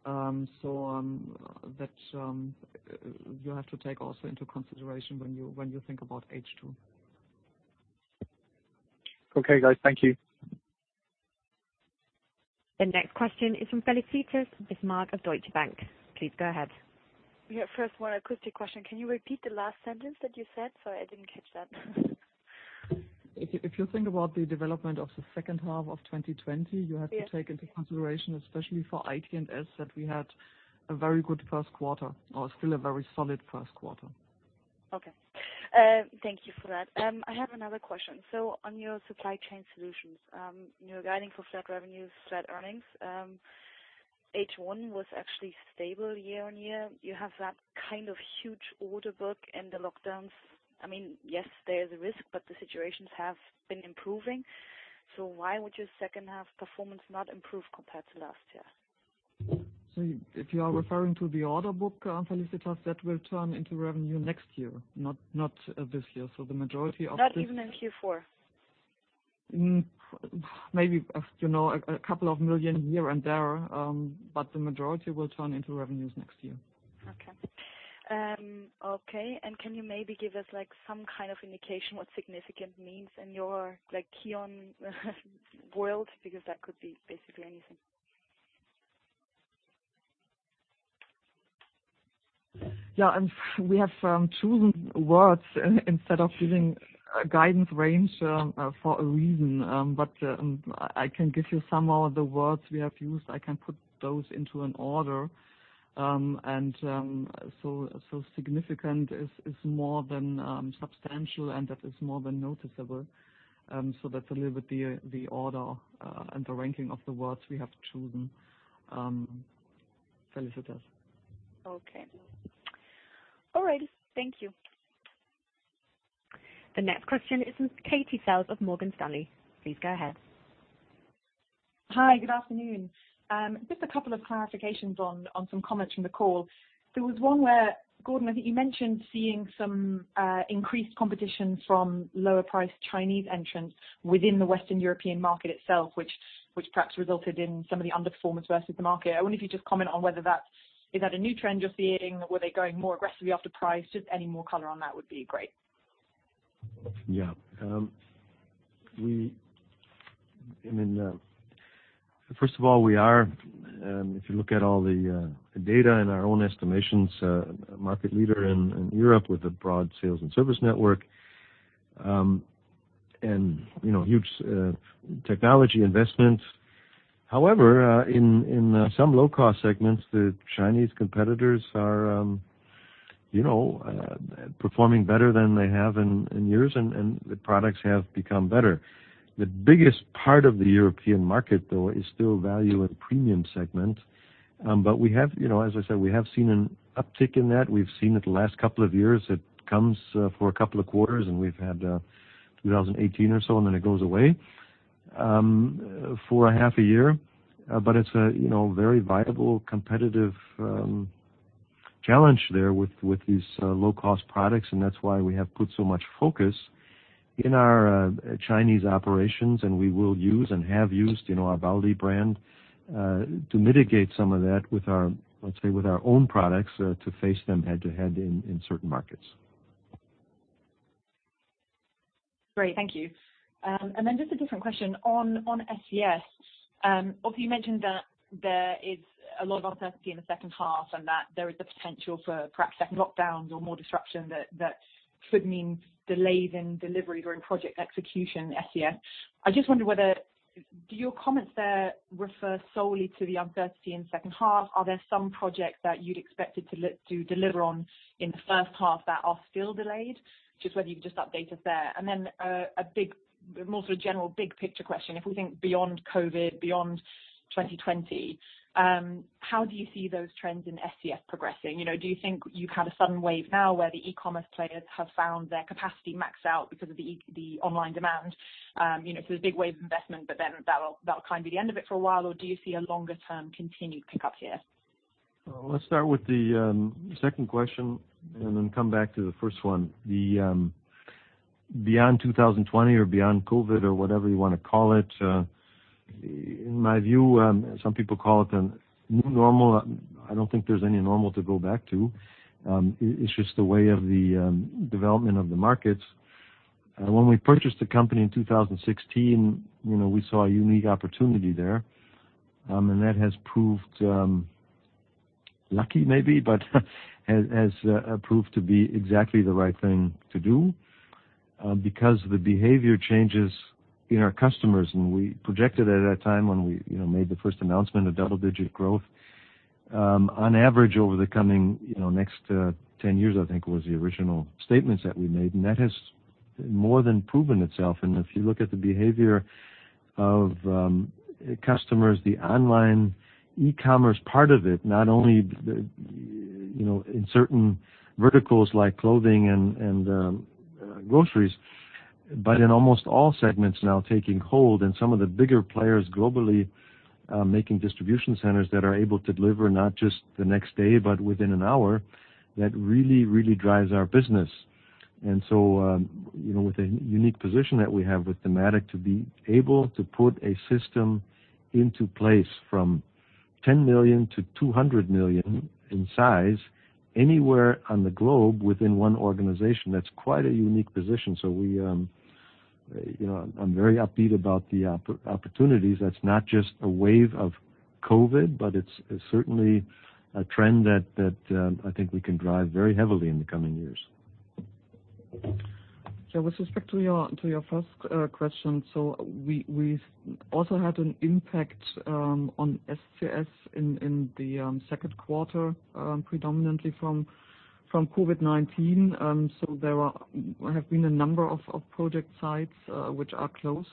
[SPEAKER 3] That you have to take also into consideration when you think about H2.
[SPEAKER 6] Okay, guys. Thank you.
[SPEAKER 1] The next question is from Felicitas Bismarck of Deutsche Bank. Please go ahead.
[SPEAKER 7] Yeah. First one, a quick question. Can you repeat the last sentence that you said? Sorry, I did not catch that.
[SPEAKER 3] If you think about the development of the second half of 2020, you have to take into consideration, especially for ITS, that we had a very good first quarter or still a very solid first quarter.
[SPEAKER 7] Okay. Thank you for that. I have another question. On your supply chain solutions, you're guiding for flat revenues, flat earnings. H1 was actually stable year on year. You have that kind of huge order book and the lockdowns. I mean, yes, there is a risk, but the situations have been improving. Why would your second half performance not improve compared to last year?
[SPEAKER 3] If you are referring to the order book, Felicitas, that will turn into revenue next year, not this year. The majority of the—
[SPEAKER 7] Not even in Q4?
[SPEAKER 3] Maybe a couple of million here and there, but the majority will turn into revenues next year.
[SPEAKER 7] Okay. Okay. Can you maybe give us some kind of indication what significant means in your KION world? Because that could be basically anything.
[SPEAKER 3] Yeah. We have chosen words instead of giving guidance range for a reason. I can give you some of the words we have used. I can put those into an order. Significant is more than substantial, and that is more than noticeable. That is a little bit the order and the ranking of the words we have chosen, Felix Rieke.
[SPEAKER 7] Okay. All right. Thank you.
[SPEAKER 1] The next question is from Katie Self of Morgan Stanley. Please go ahead.
[SPEAKER 8] Hi. Good afternoon. Just a couple of clarifications on some comments from the call. There was one where, Gordon, I think you mentioned seeing some increased competition from lower-priced Chinese entrants within the Western European market itself, which perhaps resulted in some of the underperformance versus the market. I wonder if you'd just comment on whether that's—is that a new trend you're seeing? Were they going more aggressively after price? Just any more color on that would be great.
[SPEAKER 2] Yeah. I mean, first of all, we are, if you look at all the data and our own estimations, a market leader in Europe with a broad sales and service network and huge technology investments. However, in some low-cost segments, the Chinese competitors are performing better than they have in years, and the products have become better. The biggest part of the European market, though, is still value and premium segment. We have, as I said, we have seen an uptick in that. We've seen it the last couple of years. It comes for a couple of quarters, and we've had 2018 or so, and then it goes away for half a year. It is a very viable, competitive challenge there with these low-cost products. That is why we have put so much focus in our Chinese operations, and we will use and have used our Baoli brand to mitigate some of that, let's say, with our own products to face them head-to-head in certain markets.
[SPEAKER 8] Great. Thank you. Just a different question. On SES, obviously, you mentioned that there is a lot of uncertainty in the second half and that there is the potential for perhaps second lockdowns or more disruption that could mean delays in deliveries or in project execution, SES. I just wondered whether your comments there refer solely to the uncertainty in the second half. Are there some projects that you'd expect it to deliver on in the first half that are still delayed? Just whether you could just update us there. A more sort of general big-picture question. If we think beyond COVID, beyond 2020, how do you see those trends in SCS progressing? Do you think you've had a sudden wave now where the e-commerce players have found their capacity maxed out because of the online demand? There is a big wave of investment, but then that'll kind of be the end of it for a while, or do you see a longer-term continued pickup here?
[SPEAKER 2] Let's start with the second question and then come back to the first one. Beyond 2020 or beyond COVID or whatever you want to call it, in my view, some people call it a new normal. I don't think there's any normal to go back to. It's just the way of the development of the markets. When we purchased the company in 2016, we saw a unique opportunity there. That has proved lucky, maybe, but has proved to be exactly the right thing to do because the behavior changes in our customers. We projected at that time when we made the first announcement of double-digit growth, on average, over the coming next 10 years, I think, was the original statements that we made. That has more than proven itself. If you look at the behavior of customers, the online e-commerce part of it, not only in certain verticals like clothing and groceries, but in almost all segments now taking hold, and some of the bigger players globally making distribution centers that are able to deliver not just the next day, but within an hour, that really, really drives our business. With a unique position that we have with Dematic to be able to put a system into place from 10 million to 200 million in size anywhere on the globe within one organization, that is quite a unique position. I am very upbeat about the opportunities. That is not just a wave of COVID-19, but it is certainly a trend that I think we can drive very heavily in the coming years.
[SPEAKER 3] Yeah. With respect to your first question, we also had an impact on SCS in the second quarter, predominantly from COVID-19. There have been a number of project sites which are closed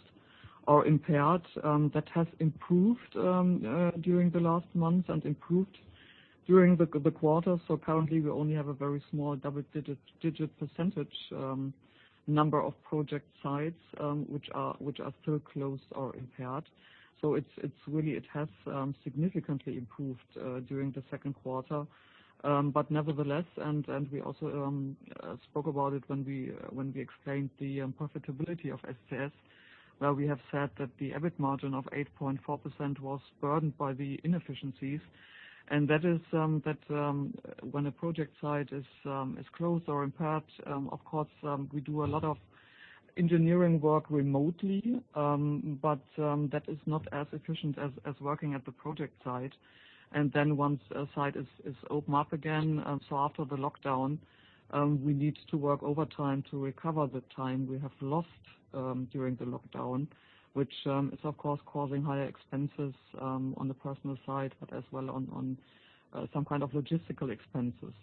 [SPEAKER 3] or impaired. That has improved during the last months and improved during the quarter. Currently, we only have a very small double-digit % number of project sites which are still closed or impaired. It has significantly improved during the second quarter. Nevertheless, we also spoke about it when we explained the profitability of SCS, where we have said that the EBIT margin of 8.4% was burdened by the inefficiencies. That is that when a project site is closed or impaired, of course, we do a lot of engineering work remotely, but that is not as efficient as working at the project site. Once a site is opened up again, after the lockdown, we need to work overtime to recover the time we have lost during the lockdown, which is, of course, causing higher expenses on the personnel side, but as well on some kind of logistical expenses.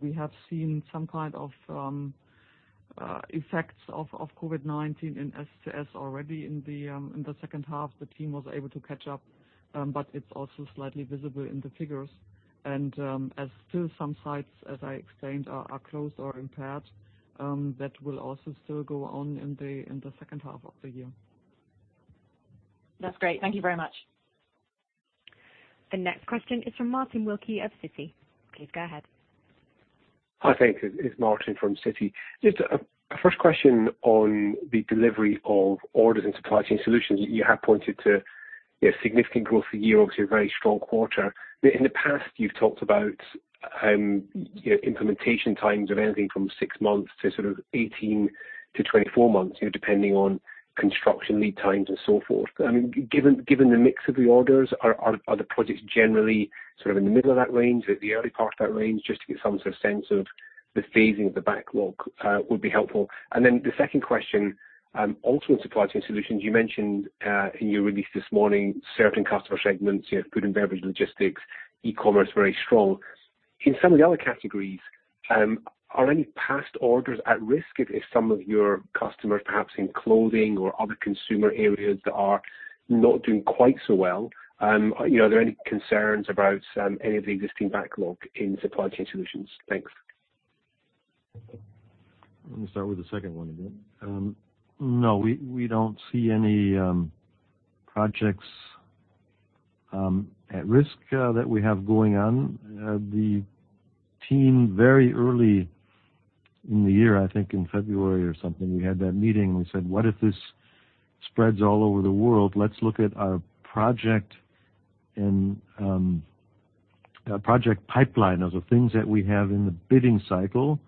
[SPEAKER 3] We have seen some kind of effects of COVID-19 in SCS already in the second half. The team was able to catch up, but it is also slightly visible in the figures. As still some sites, as I explained, are closed or impaired, that will also still go on in the second half of the year.
[SPEAKER 8] That's great. Thank you very much.
[SPEAKER 1] The next question is from Martin Wilkie of Citi. Please go ahead.
[SPEAKER 9] Hi, thanks. It's Martin from Citi. Just a first question on the delivery of orders and supply chain solutions. You have pointed to significant growth for year over a very strong quarter. In the past, you've talked about implementation times of anything from six months to sort of 18-24 months, depending on construction lead times and so forth. Given the mix of the orders, are the projects generally sort of in the middle of that range, the early part of that range? Just to get some sort of sense of the phasing of the backlog would be helpful. The second question, also in supply chain solutions, you mentioned in your release this morning, certain customer segments, food and beverage logistics, e-commerce, very strong. In some of the other categories, are any past orders at risk if some of your customers, perhaps in clothing or other consumer areas, are not doing quite so well? Are there any concerns about any of the existing backlog in supply chain solutions? Thanks.
[SPEAKER 2] Let me start with the second one again. No, we don't see any projects at risk that we have going on. The team, very early in the year, I think in February or something, we had that meeting. We said, "What if this spreads all over the world? Let's look at our project pipeline of the things that we have in the bidding cycle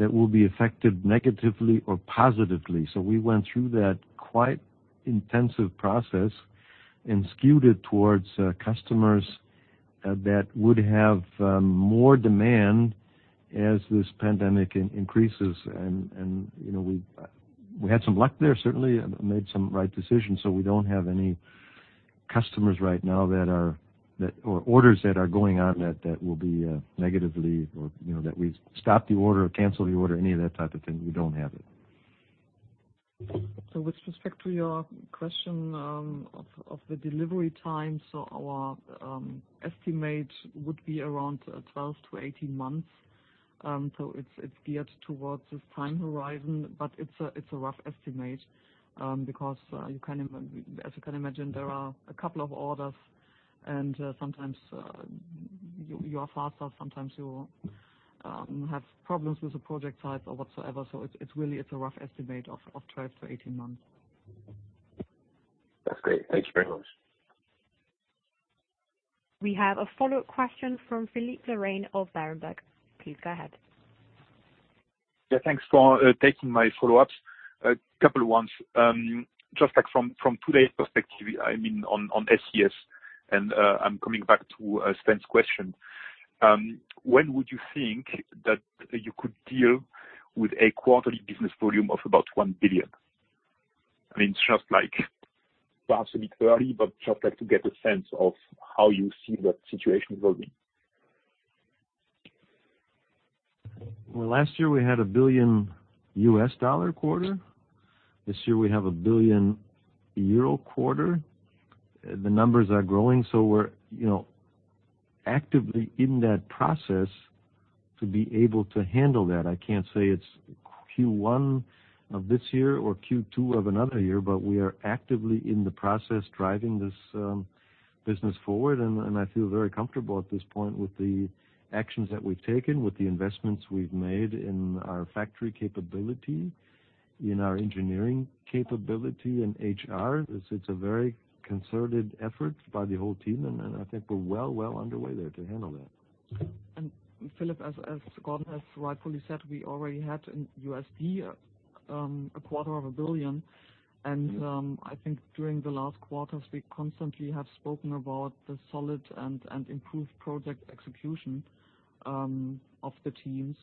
[SPEAKER 2] that will be affected negatively or positively." We went through that quite intensive process and skewed it towards customers that would have more demand as this pandemic increases. We had some luck there, certainly made some right decisions. We do not have any customers right now that are, or orders that are going on that will be negatively, or that we stopped the order or canceled the order, any of that type of thing. We do not have it.
[SPEAKER 3] With respect to your question of the delivery time, our estimate would be around 12-18 months. It is geared towards this time horizon, but it is a rough estimate because, as you can imagine, there are a couple of orders, and sometimes you are faster, sometimes you have problems with the project sites or whatsoever. It is really a rough estimate of 12-18 months.
[SPEAKER 9] That is great. Thank you very much.
[SPEAKER 1] We have a follow-up question from Philippe Lorrain of Berenberg. Please go ahead.
[SPEAKER 4] Yeah. Thanks for taking my follow-ups. A couple of ones. Just from today's perspective, I mean, on SCS, and I'm coming back to Stan's question. When would you think that you could deal with a quarterly business volume of about 1 billion? I mean, it's just like perhaps a bit early, but just to get a sense of how you see that situation evolving.
[SPEAKER 2] Last year, we had a $1 billion quarter. This year, we have a 1 billion euro quarter. The numbers are growing. We are actively in that process to be able to handle that. I can't say it's Q1 of this year or Q2 of another year, but we are actively in the process driving this business forward. I feel very comfortable at this point with the actions that we've taken, with the investments we've made in our factory capability, in our engineering capability, and HR. It's a very concerted effort by the whole team. I think we're well, well underway there to handle that.
[SPEAKER 3] Philippe, as Gordon has rightfully said, we already had in USD a quarter of a billion. I think during the last quarters, we constantly have spoken about the solid and improved project execution of the teams.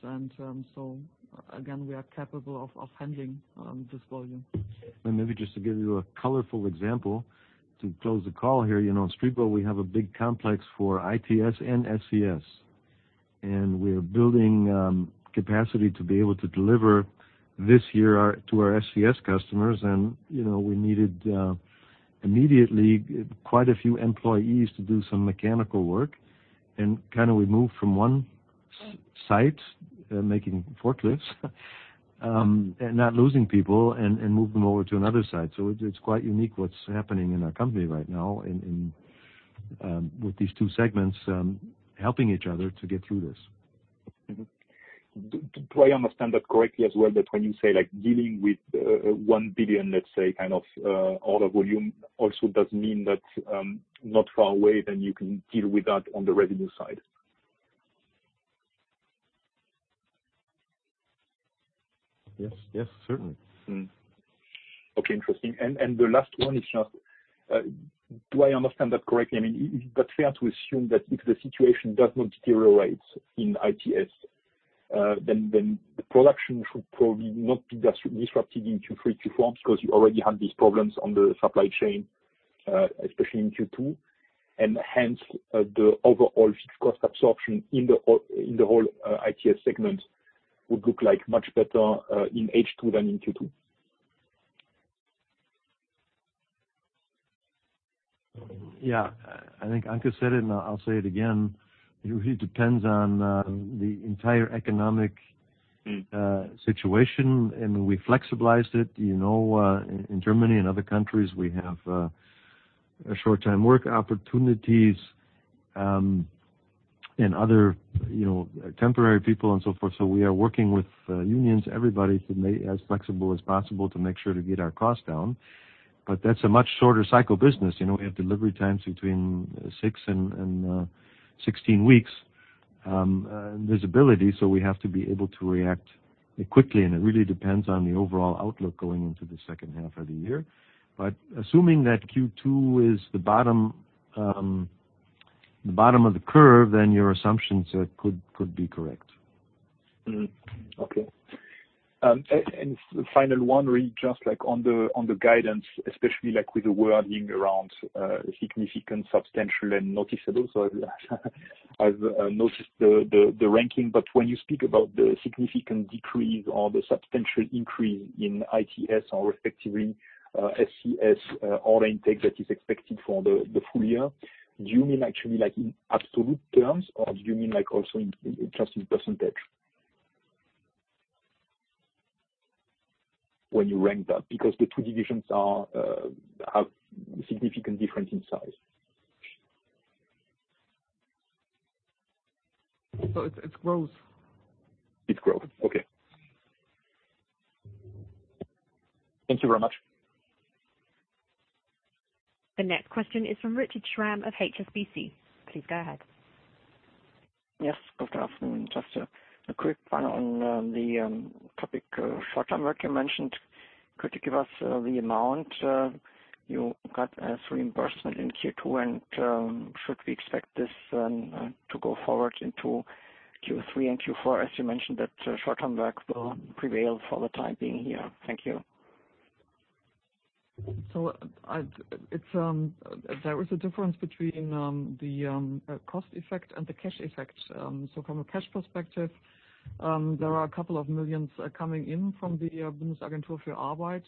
[SPEAKER 3] Again, we are capable of handling this volume.
[SPEAKER 2] Maybe just to give you a colorful example to close the call here, on Streepo, we have a big complex for ITS and SCS. We are building capacity to be able to deliver this year to our SCS customers. We needed immediately quite a few employees to do some mechanical work. We moved from one site, making forklifts, and not losing people, and moved them over to another site. It is quite unique what is happening in our company right now with these two segments helping each other to get through this.
[SPEAKER 4] Do I understand that correctly as well that when you say dealing with $1 billion, let's say, kind of order volume, also does that mean that not far away, then you can deal with that on the revenue side?
[SPEAKER 2] Yes. Yes, certainly.
[SPEAKER 4] Okay. Interesting. The last one is just, do I understand that correctly? I mean, is it fair to assume that if the situation does not deteriorate in ITS, then the production should probably not be disrupted in Q3, Q4 because you already had these problems on the supply chain, especially in Q2. Hence, the overall fixed cost absorption in the whole ITS segment would look much better in H2 than in Q2.
[SPEAKER 2] Yeah. I think Anke said it, and I'll say it again. It really depends on the entire economic situation. We flexibilized it. In Germany and other countries, we have short-time work opportunities and other temporary people and so forth. We are working with unions, everybody, to make it as flexible as possible to make sure to get our cost down. That is a much shorter cycle business. We have delivery times between 6-16 weeks visibility. We have to be able to react quickly. It really depends on the overall outlook going into the second half of the year. Assuming that Q2 is the bottom of the curve, then your assumptions could be correct.
[SPEAKER 4] Okay. The final one, really just on the guidance, especially with the wording around significant, substantial, and noticeable. I have noticed the ranking. When you speak about the significant decrease or the substantial increase in ITS or respectively SCS order intake that is expected for the full year, do you mean actually in absolute terms, or do you mean also just in percentage when you rank that? Because the two divisions have a significant difference in size.
[SPEAKER 2] So it is growth. It is growth.
[SPEAKER 4] Okay. Thank you very much.
[SPEAKER 1] The next question is from Richard Schramm of HSBC. Please go ahead.
[SPEAKER 10] Yes. Good afternoon. Just a quick follow-up on the topic short-time work you mentioned. Could you give us the amount you got as reimbursement in Q2, and should we expect this to go forward into Q3 and Q4, as you mentioned that short-time work will prevail for the time being here? Thank you.
[SPEAKER 3] There is a difference between the cost effect and the cash effect. From a cash perspective, there are a couple of millions coming in from the Bundesagentur für Arbeit.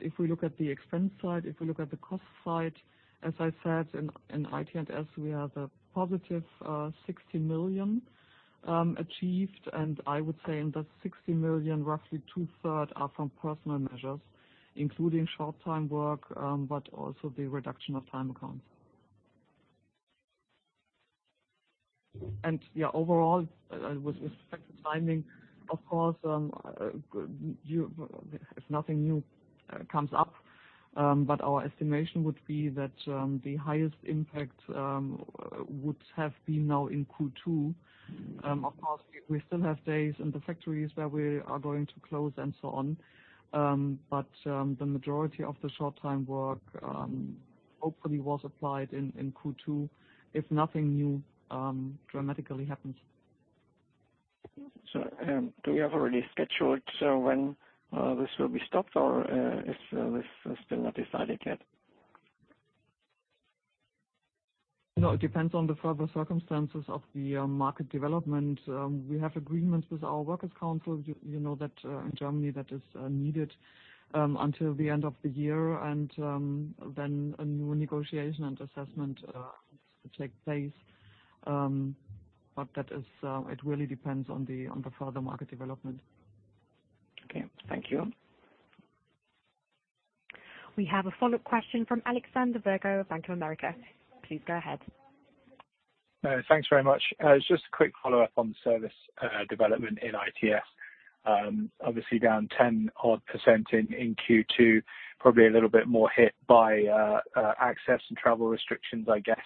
[SPEAKER 3] If we look at the expense side, if we look at the cost side, as I said, in IT and SCS, we have a positive 60 million achieved. I would say in that 60 million, roughly two-thirds are from personnel measures, including short-time work, but also the reduction of time accounts. Yeah, overall, with respect to timing, of course, if nothing new comes up, our estimation would be that the highest impact would have been now in Q2. Of course, we still have days in the factories where we are going to close and so on. The majority of the short-time work hopefully was applied in Q2 if nothing new dramatically happens.
[SPEAKER 10] Do we have already scheduled when this will be stopped, or is this still not decided yet?
[SPEAKER 3] It depends on the further circumstances of the market development. We have agreements with our workers' council that in Germany that is needed until the end of the year. Then a new negotiation and assessment takes place. It really depends on the further market development.
[SPEAKER 10] Okay. Thank you.
[SPEAKER 1] We have a follow-up question from Alexander Virgo of Bank of America. Please go ahead.
[SPEAKER 6] Thanks very much. Just a quick follow-up on the service development in ITS. Obviously, down 10-odd percent in Q2, probably a little bit more hit by access and travel restrictions, I guess,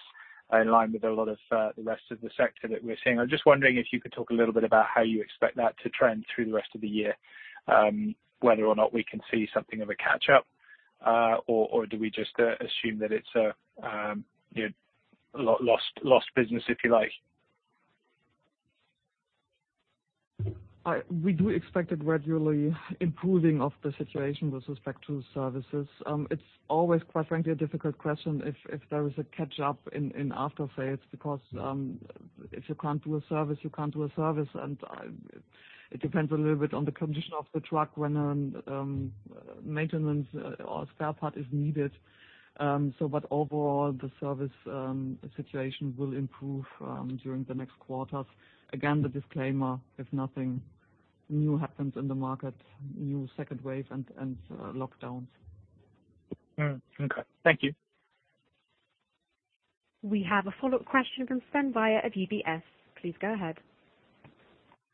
[SPEAKER 6] in line with a lot of the rest of the sector that we're seeing. I'm just wondering if you could talk a little bit about how you expect that to trend through the rest of the year, whether or not we can see something of a catch-up, or do we just assume that it's a lost business, if you like?
[SPEAKER 3] We do expect a gradually improving of the situation with respect to services. It's always, quite frankly, a difficult question if there is a catch-up in after-sales because if you can't do a service, you can't do a service. It depends a little bit on the condition of the truck when maintenance or spare part is needed. Overall, the service situation will improve during the next quarters. Again, the disclaimer, if nothing new happens in the market, new second wave and lockdowns.
[SPEAKER 6] Okay. Thank you.
[SPEAKER 1] We have a follow-up question from Sven Weier VBS. Please go ahead.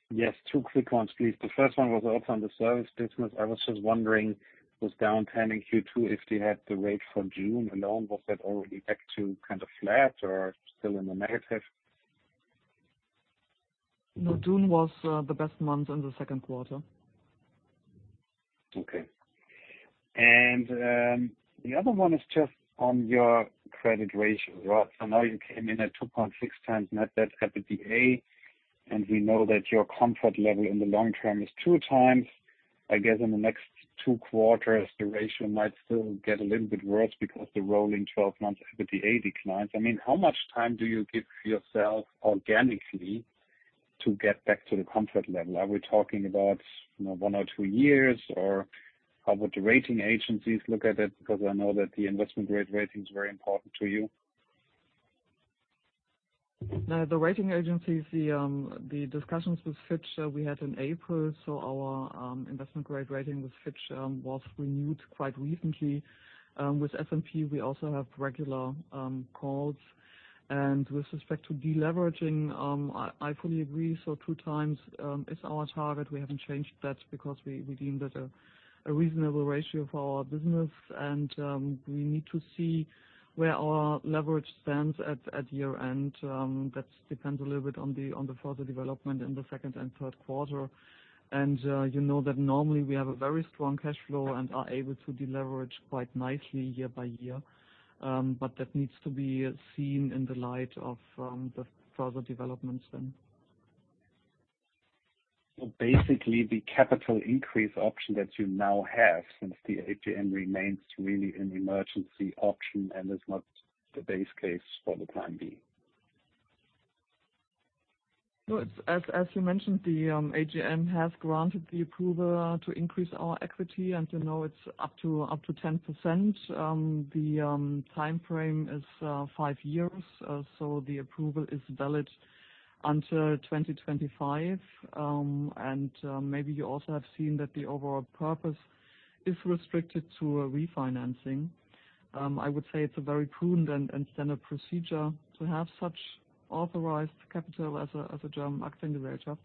[SPEAKER 5] Yes. Two quick ones, please. The first one was also on the service business. I was just wondering with downtime in Q2, if they had the rate for June alone, was that already back to kind of flat or still in the negative?
[SPEAKER 3] No, June was the best month in the second quarter.
[SPEAKER 5] Okay. The other one is just on your credit ratio. Now you came in at 2.6 times net debt at EBITDA, and we know that your comfort level in the long term is two times. I guess in the next two quarters, the ratio might still get a little bit worse because the rolling 12-month EBITDA declines. I mean, how much time do you give yourself organically to get back to the comfort level? Are we talking about one or two years, or how would the rating agencies look at it? Because I know that the investment-grade rating is very important to you.
[SPEAKER 3] No, the rating agency, the discussions with Fitch that we had in April, so our investment-grade rating with Fitch was renewed quite recently. With S&P, we also have regular calls. With respect to deleveraging, I fully agree. Two times is our target. We haven't changed that because we deem that a reasonable ratio for our business. We need to see where our leverage stands at year-end. That depends a little bit on the further development in the second and third quarter. You know that normally we have a very strong cash flow and are able to deleverage quite nicely year by year. That needs to be seen in the light of the further developments then.
[SPEAKER 5] Basically, the capital increase option that you now have since the AGM remains really an emergency option and is not the base case for the time being?
[SPEAKER 3] As you mentioned, the AGM has granted the approval to increase our equity, and it's up to 10%. The time frame is five years. The approval is valid until 2025. Maybe you also have seen that the overall purpose is restricted to refinancing. I would say it's a very prudent and standard procedure to have such authorized capital as a German acting director.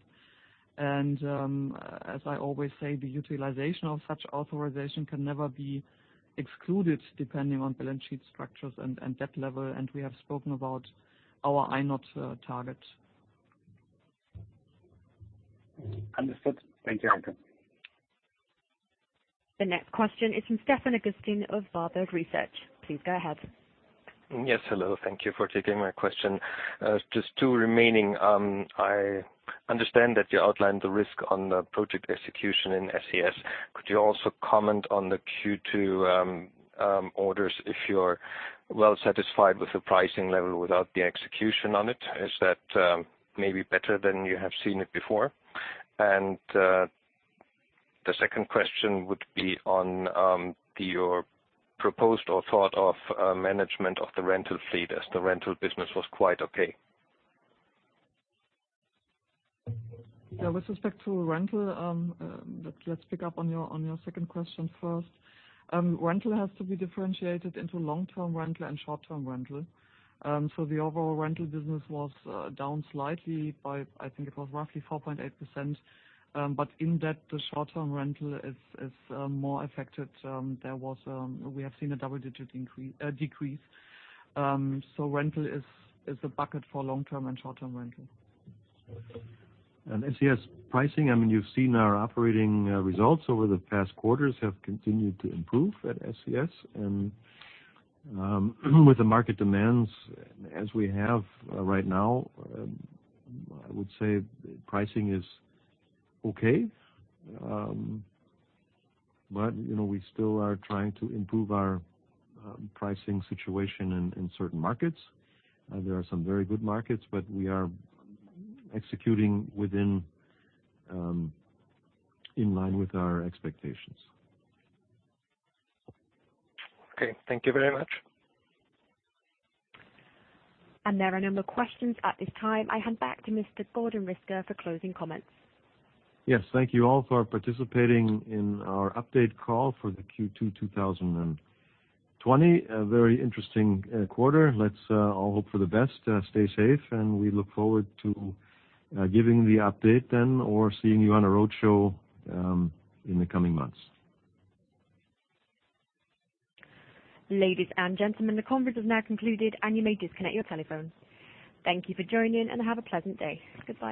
[SPEAKER 3] As I always say, the utilization of such authorization can never be excluded depending on balance sheet structures and debt level. We have spoken about our INOT target.
[SPEAKER 5] Understood. Thank you, Anke.
[SPEAKER 1] The next question is from Stefan Augustin of Berenberg Research. Please go ahead.
[SPEAKER 11] Yes. Hello. Thank you for taking my question. Just two remaining. I understand that you outlined the risk on the project execution in SCS. Could you also comment on the Q2 orders if you're well satisfied with the pricing level without the execution on it? Is that maybe better than you have seen it before? The second question would be on your proposed or thought of management of the rental fleet as the rental business was quite okay.
[SPEAKER 3] With respect to rental, let's pick up on your second question first. Rental has to be differentiated into long-term rental and short-term rental. The overall rental business was down slightly by, I think it was roughly 4.8%. In that, the short-term rental is more affected. We have seen a double-digit decrease. Rental is a bucket for long-term and short-term rental.
[SPEAKER 2] SES pricing, I mean, you've seen our operating results over the past quarters have continued to improve at SES. With the market demands as we have right now, I would say pricing is okay. We still are trying to improve our pricing situation in certain markets. There are some very good markets, but we are executing in line with our expectations.
[SPEAKER 11] Thank you very much.
[SPEAKER 1] There are no more questions at this time. I hand back to Mr. Gordon Riske for closing comments.
[SPEAKER 2] Yes. Thank you all for participating in our update call for Q2 2020. A very interesting quarter. Let's all hope for the best. Stay safe. We look forward to giving the update then or seeing you on a roadshow in the coming months.
[SPEAKER 1] Ladies and gentlemen, the conference is now concluded, and you may disconnect your telephones. Thank you for joining, and have a pleasant day. Goodbye.